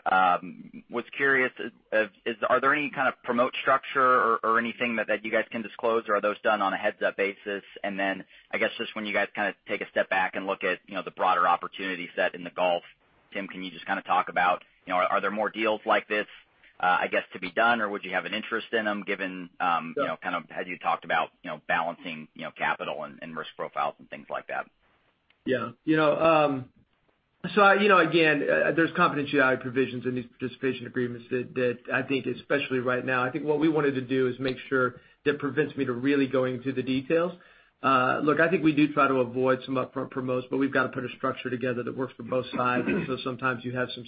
Was curious, are there any kind of promote structure or anything that you guys can disclose, or are those done on a heads-up basis? I guess just when you guys take a step back and look at the broader opportunity set in the Gulf, Tim, can you just talk about are there more deals like this, I guess, to be done, or would you have an interest in them given kind of as you talked about balancing capital and risk profiles and things like that? Yeah. Again, there's confidentiality provisions in these participation agreements that I think especially right now, I think what we wanted to do is make sure that prevents me to really going through the details. Look, I think we do try to avoid some upfront promotes, but we've got to put a structure together that works for both sides. Sometimes you have some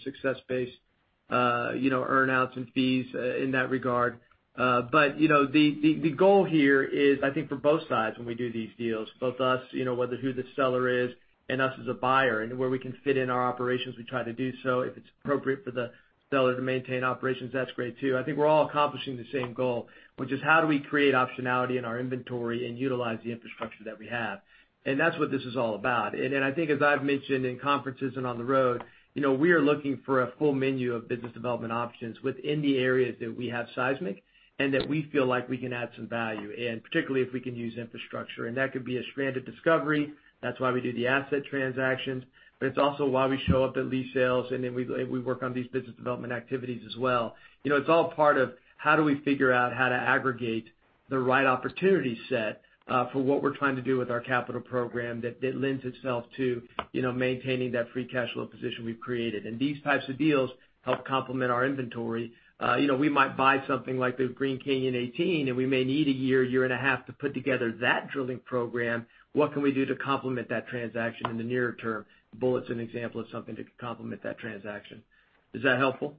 success-based earn outs and fees in that regard. The goal here is, I think for both sides when we do these deals, both us, whether who the seller is and us as a buyer and where we can fit in our operations, we try to do so. If it's appropriate for the seller to maintain operations, that's great too. I think we're all accomplishing the same goal, which is how do we create optionality in our inventory and utilize the infrastructure that we have? That's what this is all about. I think as I've mentioned in conferences and on the road, we are looking for a full menu of business development options within the areas that we have seismic, and that we feel like we can add some value in, particularly if we can use infrastructure. That could be a stranded discovery. That's why we do the asset transactions. It's also why we show up at lease sales, and then we work on these business development activities as well. It's all part of how do we figure out how to aggregate the right opportunity set for what we're trying to do with our capital program that lends itself to maintaining that free cash flow position we've created. These types of deals help complement our inventory. We might buy something like the Green Canyon 18, and we may need a year and a half to put together that drilling program. What can we do to complement that transaction in the nearer term? Bulleit's an example of something that could complement that transaction. Is that helpful?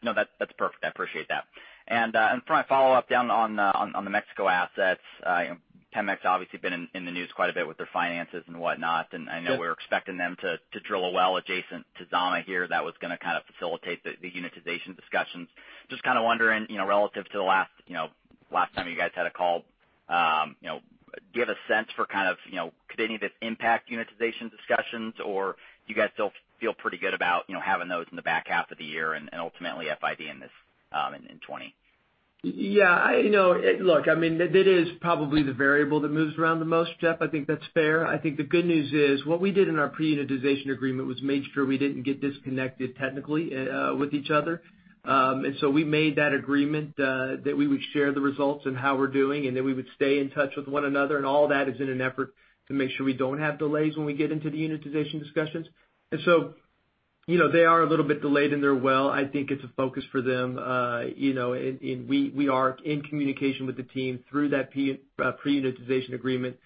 No, that's perfect. I appreciate that. For my follow-up down on the Mexico assets, Pemex obviously been in the news quite a bit with their finances and whatnot. I know we're expecting them to drill a well adjacent to Zama here that was going to facilitate the unitization discussions. Just kind of wondering, relative to the last time you guys had a call, do you have a sense for could any of this impact unitization discussions, or do you guys feel pretty good about having those in the back half of the year and ultimately FID in 2020? Yeah. Look, that is probably the variable that moves around the most, Jeff. I think that's fair. I think the good news is what we did in our pre-unitization agreement was made sure we didn't get disconnected technically with each other. We made that agreement that we would share the results and how we're doing, and that we would stay in touch with one another, and all that is in an effort to make sure we don't have delays when we get into the unitization discussions. They are a little bit delayed in their well. I think it's a focus for them. We are in communication with the team through that pre-unitization agreement,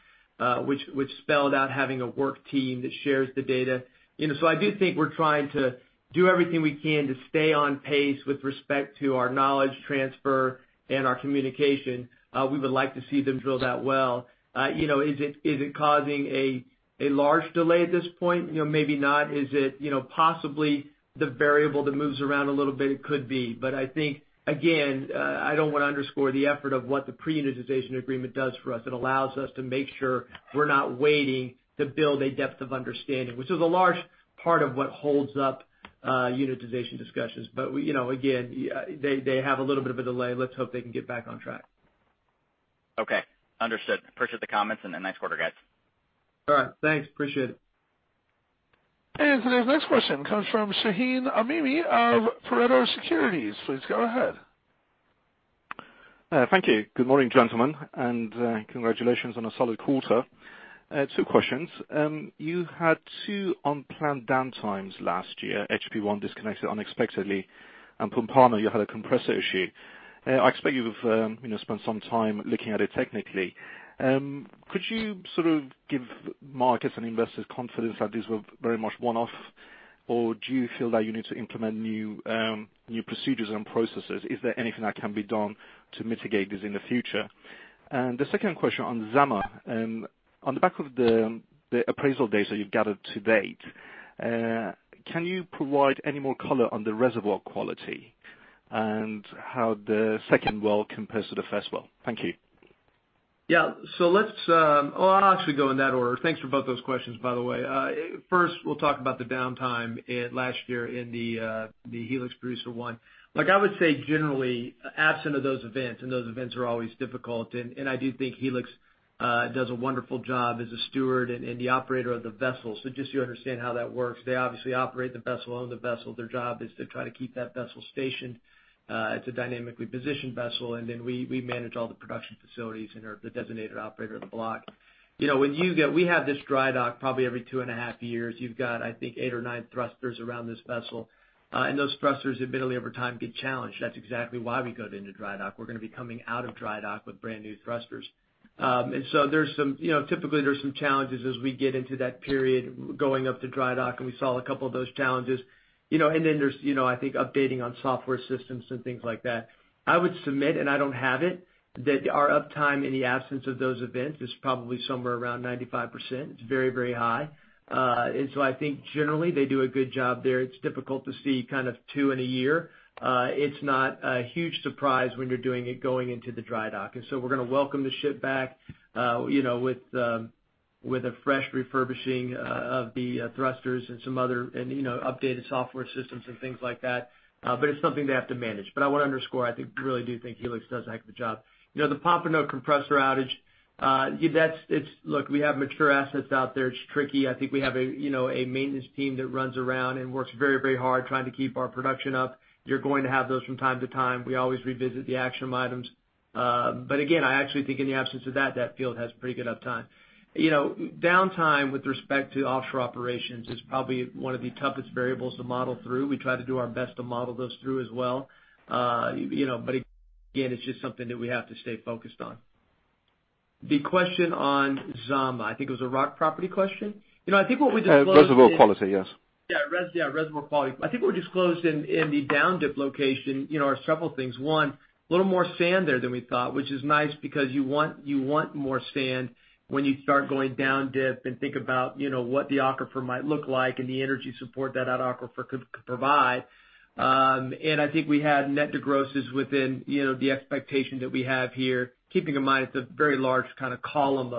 which spelled out having a work team that shares the data. I do think we're trying to do everything we can to stay on pace with respect to our knowledge transfer and our communication. We would like to see them drill that well. Is it causing a large delay at this point? Maybe not. Is it possibly the variable that moves around a little bit? It could be. I think, again, I don't want to underscore the effort of what the pre-unitization agreement does for us. It allows us to make sure we're not waiting to build a depth of understanding, which is a large part of what holds up unitization discussions. Again, they have a little bit of a delay. Let's hope they can get back on track. Okay. Understood. Appreciate the comments, a nice quarter, guys. All right. Thanks. Appreciate it. The next question comes from Shahin Amini of Pareto Securities. Please go ahead. Thank you. Good morning, gentlemen, and congratulations on a solid quarter. Two questions. You had two unplanned downtimes last year. HP-1 disconnected unexpectedly, and Pompano, you had a compressor issue. I expect you've spent some time looking at it technically. Could you sort of give markets and investors confidence that these were very much one-off, or do you feel that you need to implement new procedures and processes? Is there anything that can be done to mitigate this in the future? The second question on Zama. On the back of the appraisal data you've gathered to date, can you provide any more color on the reservoir quality and how the second well compares to the first well? Thank you. Yeah. Well, I'll actually go in that order. Thanks for both those questions, by the way. First, we'll talk about the downtime last year in the Helix Producer I. I would say generally, absent of those events, and those events are always difficult, and I do think Helix does a wonderful job as a steward and the operator of the vessel. Just so you understand how that works, they obviously operate the vessel, own the vessel. Their job is to try to keep that vessel stationed. It's a dynamically positioned vessel, and then we manage all the production facilities and are the designated operator of the block. We have this dry dock probably every two and a half years. You've got, I think, eight or nine thrusters around this vessel. Those thrusters inevitably over time get challenged. That's exactly why we go into dry dock. We're going to be coming out of dry dock with brand-new thrusters. Typically there's some challenges as we get into that period going up to dry dock, and we saw a couple of those challenges. Then there's I think updating on software systems and things like that. I would submit, and I don't have it, that our uptime in the absence of those events is probably somewhere around 95%. It's very, very high. I think generally they do a good job there. It's difficult to see two in a year. It's not a huge surprise when you're doing it going into the dry dock. We're going to welcome the ship back with a fresh refurbishing of the thrusters and some other updated software systems and things like that. It's something they have to manage. I want to underscore, I really do think Helix does a heck of a job. The Pompano compressor outage, look, we have mature assets out there. It's tricky. I think we have a maintenance team that runs around and works very, very hard trying to keep our production up. You're going to have those from time to time. We always revisit the action items. Again, I actually think in the absence of that field has pretty good uptime. Downtime with respect to offshore operations is probably one of the toughest variables to model through. We try to do our best to model those through as well. Again, it's just something that we have to stay focused on. The question on Zama, I think it was a rock property question. I think what we disclosed is- Reservoir quality, yes. Yeah, reservoir quality. I think what we disclosed in the down dip location are several things. One, a little more sand there than we thought, which is nice because you want more sand when you start going down dip and think about what the aquifer might look like and the energy support that that aquifer could provide. I think we had net to grosses within the expectation that we have here, keeping in mind it's a very large kind of column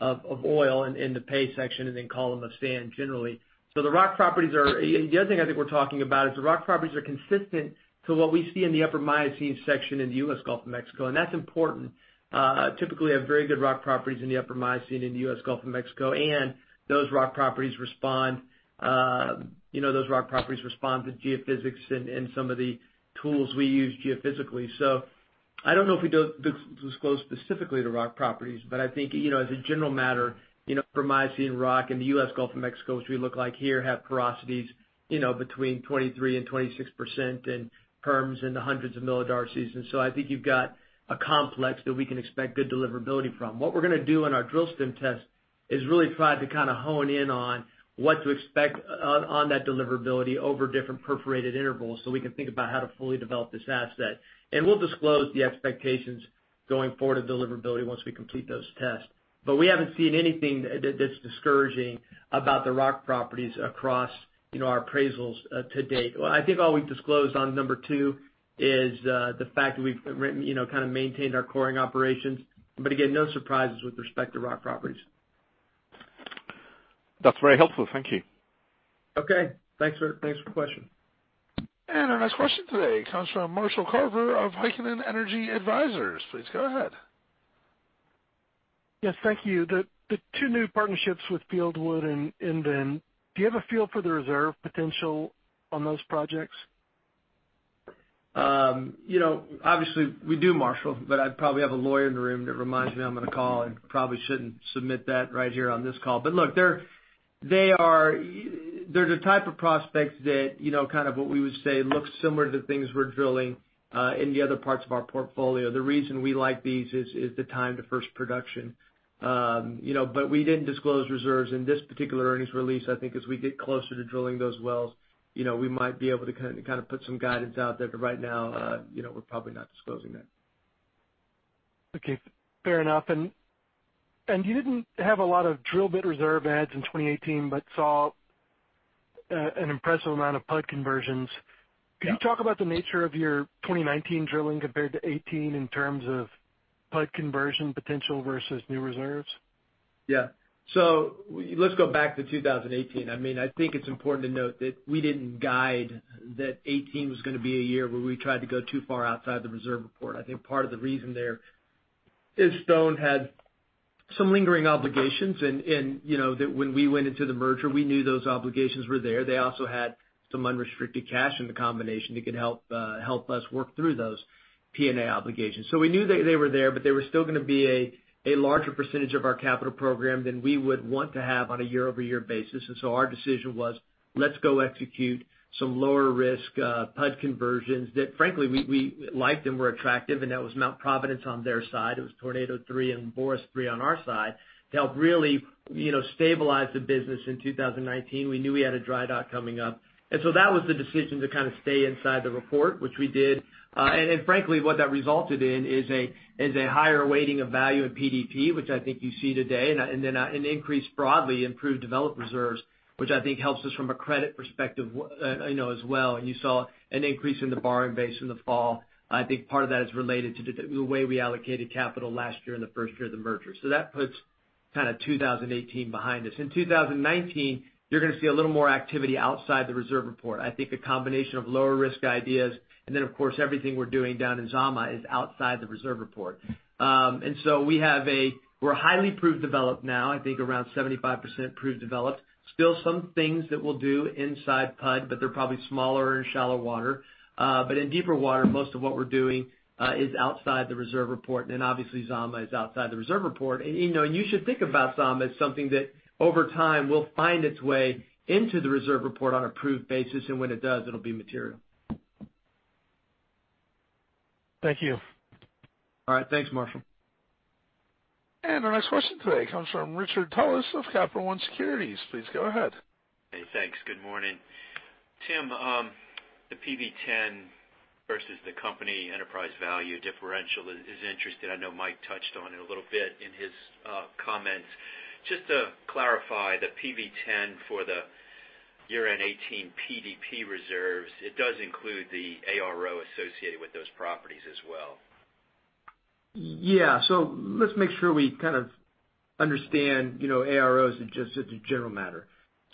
of oil in the pay section and then column of sand generally. The other thing I think we're talking about is the rock properties are consistent to what we see in the Upper Miocene section in the U.S. Gulf of Mexico, and that's important. Typically, we have very good rock properties in the Upper Miocene in the U.S. Gulf of Mexico. Those rock properties respond to geophysics and some of the tools we use geophysically. I don't know if we disclosed specifically to rock properties, but I think as a general matter, Miocene rock in the U.S. Gulf of Mexico, which we look like here, have porosities between 23%-26% and perms in the hundreds of millidarcies. I think you've got a complex that we can expect good deliverability from. What we're going to do on our drill stem test is really try to kind of hone in on what to expect on that deliverability over different perforated intervals so we can think about how to fully develop this asset. We'll disclose the expectations going forward of deliverability once we complete those tests. We haven't seen anything that's discouraging about the rock properties across our appraisals to date. I think all we've disclosed on number two is the fact that we've kind of maintained our coring operations. Again, no surprises with respect to rock properties. That's very helpful. Thank you. Okay. Thanks for the question. Our next question today comes from Marshall Carver of Heikkinen Energy Advisors. Please go ahead. Yes, thank you. The two new partnerships with Fieldwood and EnVen, do you have a feel for the reserve potential on those projects? Obviously, we do, Marshall, I probably have a lawyer in the room that reminds me I'm on a call and probably shouldn't submit that right here on this call. Look, they're the type of prospects that, kind of what we would say, looks similar to the things we're drilling in the other parts of our portfolio. The reason we like these is the time to first production. We didn't disclose reserves in this particular earnings release. I think as we get closer to drilling those wells, we might be able to kind of put some guidance out there. Right now, we're probably not disclosing that. Okay, fair enough. You didn't have a lot of drill bit reserve adds in 2018, but saw an impressive amount of PUD conversions. Yeah. Could you talk about the nature of your 2019 drilling compared to 2018 in terms of PUD conversion potential versus new reserves? Yeah. Let's go back to 2018. I think it's important to note that we didn't guide that 2018 was going to be a year where we tried to go too far outside the reserve report. I think part of the reason there is Stone had some lingering obligations, and that when we went into the merger, we knew those obligations were there. They also had some unrestricted cash in the combination that could help us work through those P&A obligations. We knew they were there, but they were still going to be a larger percentage of our capital program than we would want to have on a year-over-year basis. Our decision was, let's go execute some lower risk PUD conversions that frankly, we liked and were attractive, and that was Mount Providence on their side. It was Tornado Three and Boris Three on our side to help really stabilize the business in 2019. We knew we had a dry dock coming up. That was the decision to kind of stay inside the report, which we did. Frankly, what that resulted in is a higher weighting of value in PDP, which I think you see today, and then an increase broadly improved developed reserves, which I think helps us from a credit perspective as well. You saw an increase in the borrowing base in the fall. I think part of that is related to the way we allocated capital last year and the first year of the merger. That puts kind of 2018 behind us. In 2019, you're going to see a little more activity outside the reserve report. I think the combination of lower risk ideas, and then of course, everything we're doing down in Zama is outside the reserve report. We're highly proved developed now, I think around 75% proved developed. Still some things that we'll do inside PUD, but they're probably smaller in shallow water. In deeper water, most of what we're doing is outside the reserve report. Obviously Zama is outside the reserve report. You should think about Zama as something that over time will find its way into the reserve report on a proof basis, and when it does, it'll be material. Thank you. All right. Thanks, Marshall. Our next question today comes from Richard Tullis of Capital One Securities. Please go ahead. Hey, thanks. Good morning. Tim, the PV-10 versus the company enterprise value differential is interesting. I know Mike touched on it a little bit in his comments. Just to clarify, the PV-10 for the year-end 2018 PDP reserves, it does include the ARO associated with those properties as well. Yeah. Let's make sure we kind of understand AROs as just as a general matter.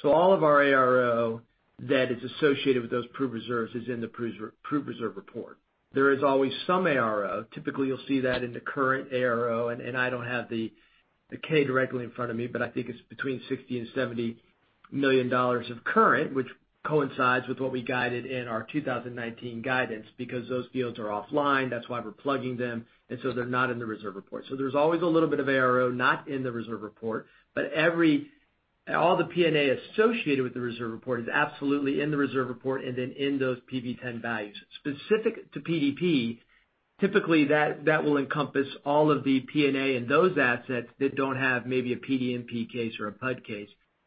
All of our ARO that is associated with those proved reserves is in the proved reserve report. There is always some ARO. Typically, you'll see that in the current ARO, and I don't have the K directly in front of me, but I think it's between $60 million-$70 million of current, which coincides with what we guided in our 2019 guidance because those fields are offline. That's why we're plugging them. They're not in the reserve report. There's always a little bit of ARO, not in the reserve report, but All the P&A associated with the reserve report is absolutely in the reserve report, and then in those PV-10 values. Specific to PDP, typically that will encompass all of the P&A and those assets that don't have maybe a PDNP case or a PUD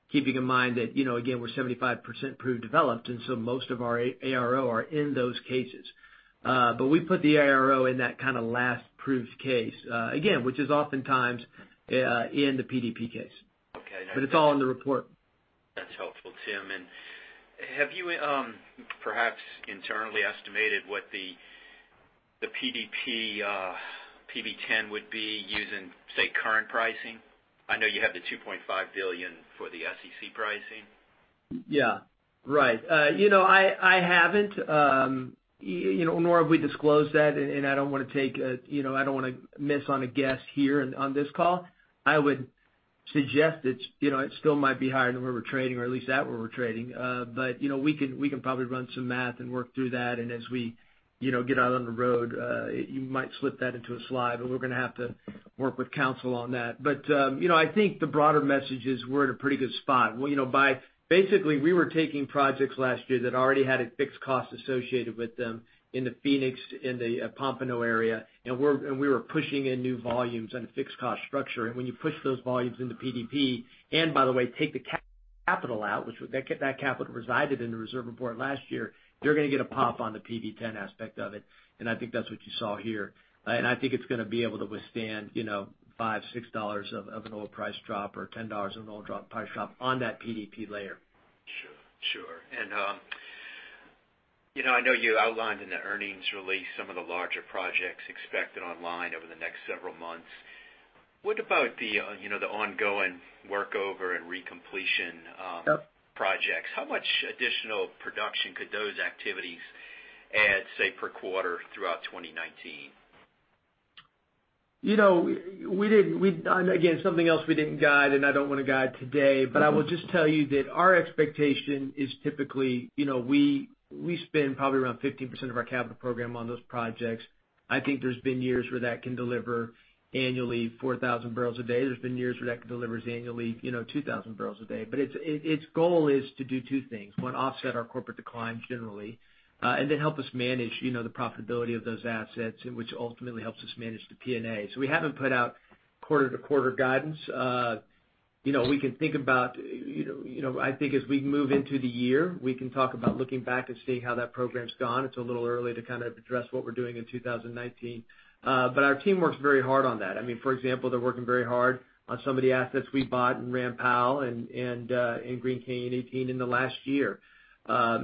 case. Keeping in mind that, again, we're 75% proved developed, and so most of our ARO are in those cases. We put the ARO in that kind of last proved case, again, which is oftentimes in the PDP case. Okay. It's all in the report. That's helpful, Tim. Have you, perhaps internally estimated what the PDP, PV-10 would be using, say, current pricing? I know you have the $2.5 billion for the SEC pricing. Yeah. Right. I haven't, nor have we disclosed that. I don't want to miss on a guess here on this call. I would suggest it still might be higher than where we're trading, or at least that where we're trading. We can probably run some math and work through that. As we get out on the road, you might slip that into a slide. We're going to have to work with counsel on that. I think the broader message is we're in a pretty good spot. Basically, we were taking projects last year that already had a fixed cost associated with them in the Phoenix, in the Pompano area, and we were pushing in new volumes on a fixed cost structure. When you push those volumes into PDP, and by the way, take the capital out, which that capital resided in the reserve report last year, you're going to get a pop on the PV-10 aspect of it. I think that's what you saw here. I think it's going to be able to withstand $5, $6 of an oil price drop or $10 of an oil price drop on that PDP layer. Sure. I know you outlined in the earnings release some of the larger projects expected online over the next several months. What about the ongoing workover and recompletion projects? How much additional production could those activities add, say, per quarter throughout 2019? Again, something else we didn't guide. I don't want to guide today. I will just tell you that our expectation is typically, we spend probably around 15% of our capital program on those projects. I think there's been years where that can deliver annually 4,000 barrels a day. There's been years where that delivers annually 2,000 barrels a day. Its goal is to do two things. One, offset our corporate decline generally, then help us manage the profitability of those assets, which ultimately helps us manage the P&A. We haven't put out quarter-to-quarter guidance. We can think about, I think as we move into the year, we can talk about looking back and seeing how that program's gone. It's a little early to kind of address what we're doing in 2019. Our team works very hard on that. I mean, for example, they're working very hard on some of the assets we bought in Ram Powell and in Green Canyon 18 in the last year. I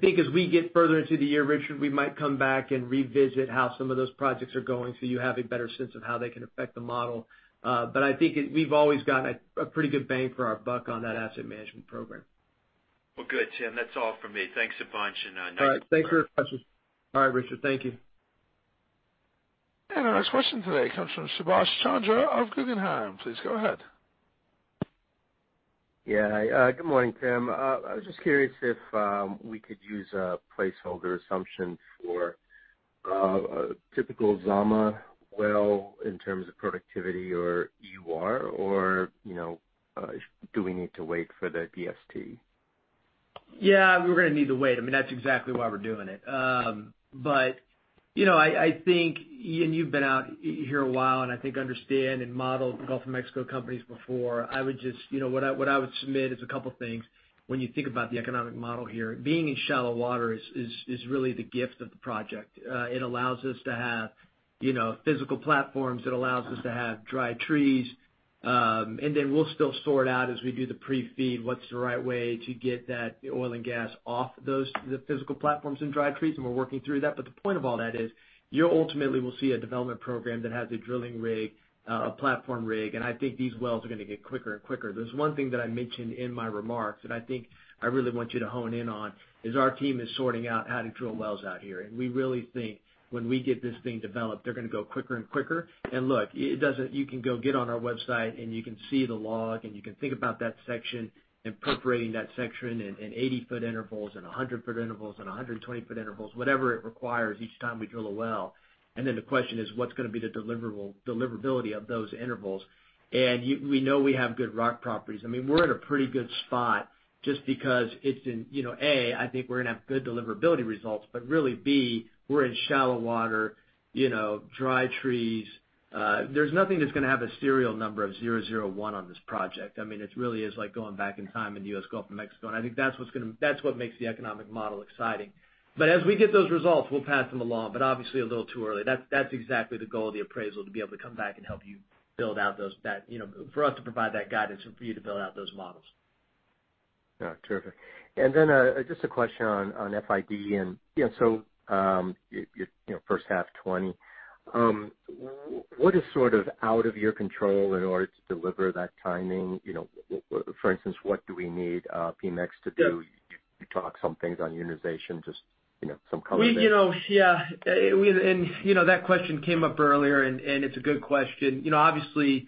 think as we get further into the year, Richard, we might come back and revisit how some of those projects are going so you have a better sense of how they can affect the model. I think we've always gotten a pretty good bang for our buck on that asset management program. Well, good, Tim. That's all from me. Thanks a bunch. All right. Thank you for your questions. All right, Richard. Thank you. Our next question today comes from Subash Chandra of Guggenheim. Please go ahead. Good morning, Tim. I was just curious if we could use a placeholder assumption for a typical Zama well in terms of productivity or EUR, or do we need to wait for the DST? We're going to need to wait. I mean, that's exactly why we're doing it. I think, you've been out here a while, I think understand and modeled Gulf of Mexico companies before. What I would submit is a couple things. When you think about the economic model here, being in shallow water is really the gift of the project. It allows us to have physical platforms. It allows us to have dry trees. Then we'll still sort out as we do the pre-FEED, what's the right way to get that oil and gas off the physical platforms and dry trees, and we're working through that. The point of all that is, you ultimately will see a development program that has a drilling rig, a platform rig, I think these wells are going to get quicker and quicker. There's one thing that I mentioned in my remarks that I think I really want you to hone in on, is our team is sorting out how to drill wells out here. We really think when we get this thing developed, they're going to go quicker and quicker. Look, you can go get on our website, you can see the log, you can think about that section, appropriating that section in 80-foot intervals, in 100-foot intervals, in 120-foot intervals, whatever it requires each time we drill a well. Then the question is, what's going to be the deliverability of those intervals? We know we have good rock properties. I mean, we're in a pretty good spot just because it's in, A, I think we're going to have good deliverability results, really, B, we're in shallow water, dry trees. There's nothing that's going to have a serial number of 001 on this project. I mean, it really is like going back in time in the U.S. Gulf of Mexico, I think that's what makes the economic model exciting. As we get those results, we'll pass them along, obviously a little too early. That's exactly the goal of the appraisal, to be able to come back and help you build out those, for us to provide that guidance and for you to build out those models. Yeah, terrific. Just a question on FID, your first half 2020. What is sort of out of your control in order to deliver that timing? For instance, what do we need PEMEX to do? You talked some things on unitization, just some color there. Yeah. That question came up earlier, and it's a good question. Obviously,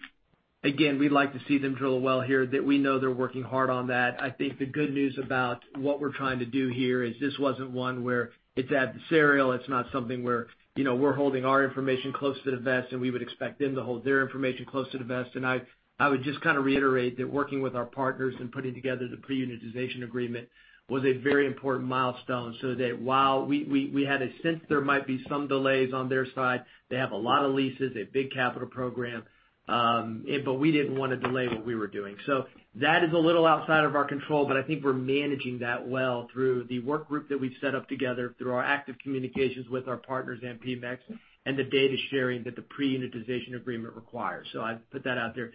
again, we'd like to see them drill a well here that we know they're working hard on that. I think the good news about what we're trying to do here is this wasn't one where it's adversarial. It's not something where we're holding our information close to the vest, and we would expect them to hold their information close to the vest. I would just reiterate that working with our partners and putting together the pre-unitization agreement was a very important milestone, so that while we had a sense there might be some delays on their side, they have a lot of leases, a big capital program. We didn't want to delay what we were doing. That is a little outside of our control, but I think we're managing that well through the work group that we've set up together, through our active communications with our partners and PEMEX, and the data sharing that the pre-unitization agreement requires. I'd put that out there.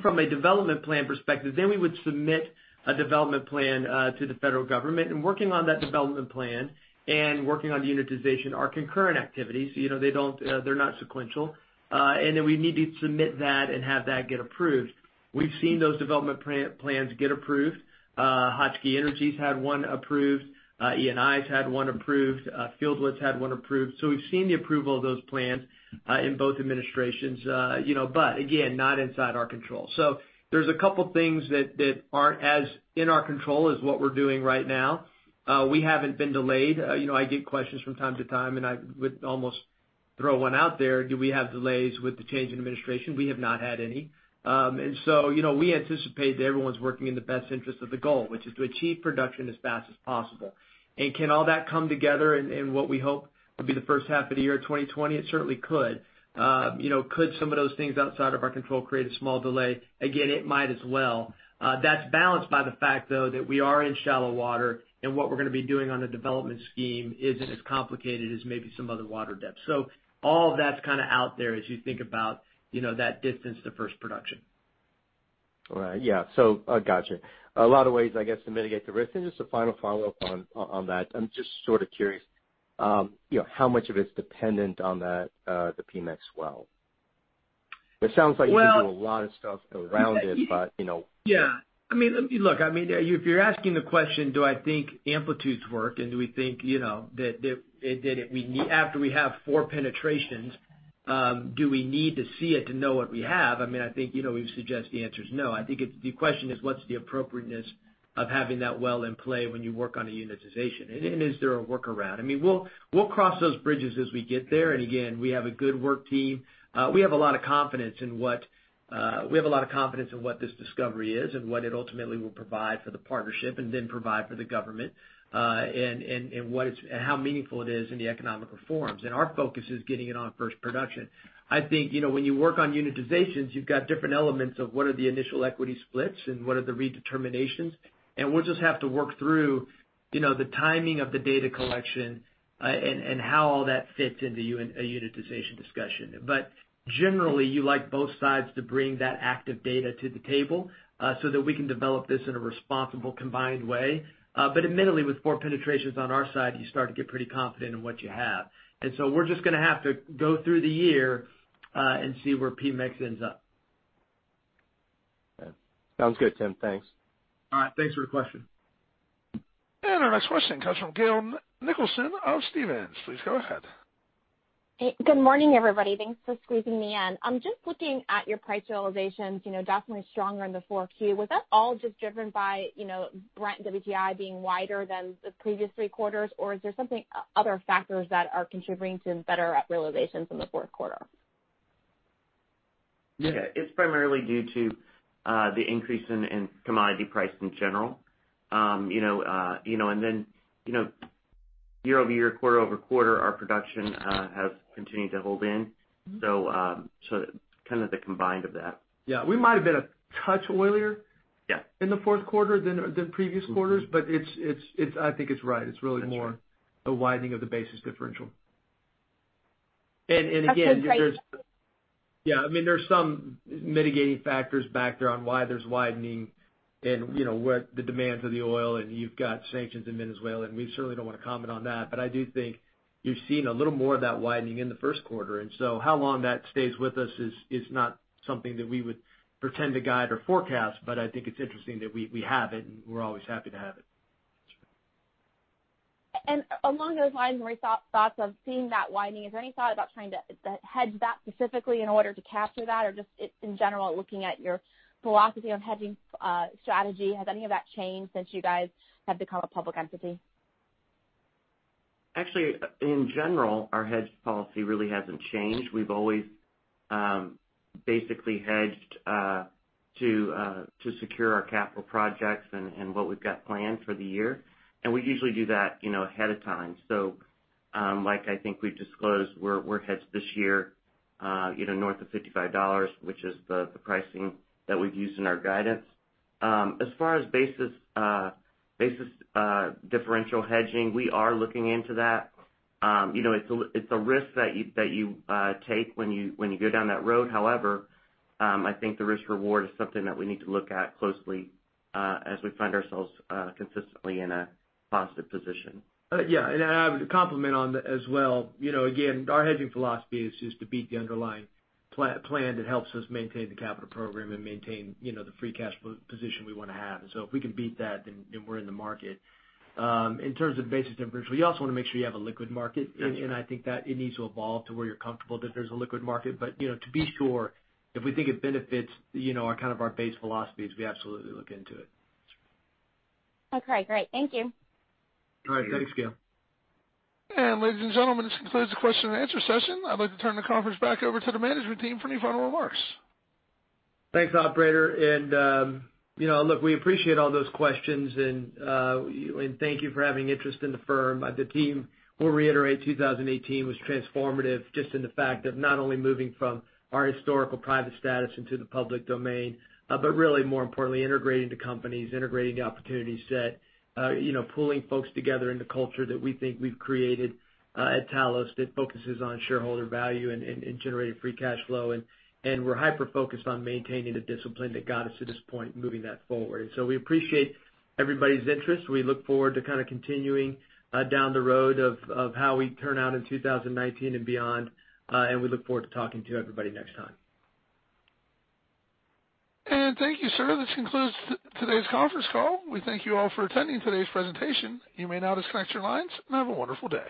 From a development plan perspective, we would submit a development plan to the federal government. Working on that development plan and working on unitization are concurrent activities. They're not sequential. We need to submit that and have that get approved. We've seen those development plans get approved. Hokchi Energy's had one approved. Eni's had one approved. Fieldwood's had one approved. We've seen the approval of those plans in both administrations. Again, not inside our control. There's a couple things that aren't as in our control as what we're doing right now. We haven't been delayed. I get questions from time to time, and I would almost throw one out there. Do we have delays with the change in administration? We have not had any. We anticipate that everyone's working in the best interest of the goal, which is to achieve production as fast as possible. Can all that come together in what we hope will be the first half of the year 2020? It certainly could. Could some of those things outside of our control create a small delay? Again, it might as well. That's balanced by the fact, though, that we are in shallow water, and what we're going to be doing on the development scheme isn't as complicated as maybe some other water depths. All of that's kind of out there as you think about that distance to first production. All right. Yeah. Gotcha. A lot of ways, I guess, to mitigate the risk. Just a final follow-up on that. I'm just sort of curious how much of it's dependent on the PEMEX well. It sounds like- Well- you can do a lot of stuff around it, but you know. Yeah. Look, if you're asking the question, do I think amplitudes work, do we think that after we have four penetrations, do we need to see it to know what we have? I think we would suggest the answer is no. I think the question is, what's the appropriateness of having that well in play when you work on a unitization? Is there a workaround? We'll cross those bridges as we get there. Again, we have a good work team. We have a lot of confidence in what this discovery is and what it ultimately will provide for the partnership provide for the government, and how meaningful it is in the economic reforms. Our focus is getting it on first production. I think when you work on unitizations, you've got different elements of what are the initial equity splits and what are the redeterminations. We'll just have to work through the timing of the data collection and how all that fits into a unitization discussion. Generally, you like both sides to bring that active data to the table so that we can develop this in a responsible, combined way. Admittedly, with four penetrations on our side, you start to get pretty confident in what you have. We're just going to have to go through the year and see where PEMEX ends up. Sounds good, Tim. Thanks. All right. Thanks for the question. Our next question comes from Gail Nicholson of Stephens. Please go ahead. Good morning, everybody. Thanks for squeezing me in. I'm just looking at your price realizations, definitely stronger in the four Q. Was that all just driven by Brent-WTI being wider than the previous three quarters, or is there something other factors that are contributing to better realizations in the fourth quarter? Yeah. It's primarily due to the increase in commodity price in general. Year-over-year, quarter-over-quarter, our production has continued to hold in. Kind of the combined of that. Yeah. We might have been a touch oilier Yeah in the fourth quarter than previous quarters, I think it's right. It's really more a widening of the basis differential. Again, if there's That's been great. Yeah. There's some mitigating factors back there on why there's widening and what the demands of the oil. You've got sanctions in Venezuela, we certainly don't want to comment on that. I do think you've seen a little more of that widening in the first quarter. How long that stays with us is not something that we would pretend to guide or forecast, but I think it's interesting that we have it, and we're always happy to have it. Along those lines, thoughts of seeing that widening. Is there any thought about trying to hedge that specifically in order to capture that, or just in general, looking at your philosophy on hedging strategy, has any of that changed since you guys have become a public entity? Actually, in general, our hedge policy really hasn't changed. We've always basically hedged to secure our capital projects and what we've got planned for the year. We usually do that ahead of time. Like I think we've disclosed, we're hedged this year north of $55, which is the pricing that we've used in our guidance. As far as basis differential hedging, we are looking into that. It's a risk that you take when you go down that road. However, I think the risk-reward is something that we need to look at closely as we find ourselves consistently in a positive position. Yeah. I would compliment on as well. Again, our hedging philosophy is just to beat the underlying plan that helps us maintain the capital program and maintain the free cash position we want to have. If we can beat that, then we're in the market. In terms of basis differential, you also want to make sure you have a liquid market. That's right. I think that it needs to evolve to where you're comfortable that there's a liquid market. To be sure, if we think it benefits our base philosophies, we absolutely look into it. Okay, great. Thank you. All right. Thanks, Gail. Ladies and gentlemen, this concludes the question and answer session. I'd like to turn the conference back over to the management team for any final remarks. Thanks, operator. Look, we appreciate all those questions, and thank you for having interest in the firm. The team will reiterate 2018 was transformative just in the fact of not only moving from our historical private status into the public domain, but really more importantly, integrating the companies, integrating the opportunity set, pooling folks together in the culture that we think we've created at Talos that focuses on shareholder value and generating free cash flow. We're hyper-focused on maintaining the discipline that got us to this point, moving that forward. We appreciate everybody's interest. We look forward to continuing down the road of how we turn out in 2019 and beyond. We look forward to talking to everybody next time. Thank you, sir. This concludes today's conference call. We thank you all for attending today's presentation. You may now disconnect your lines, and have a wonderful day.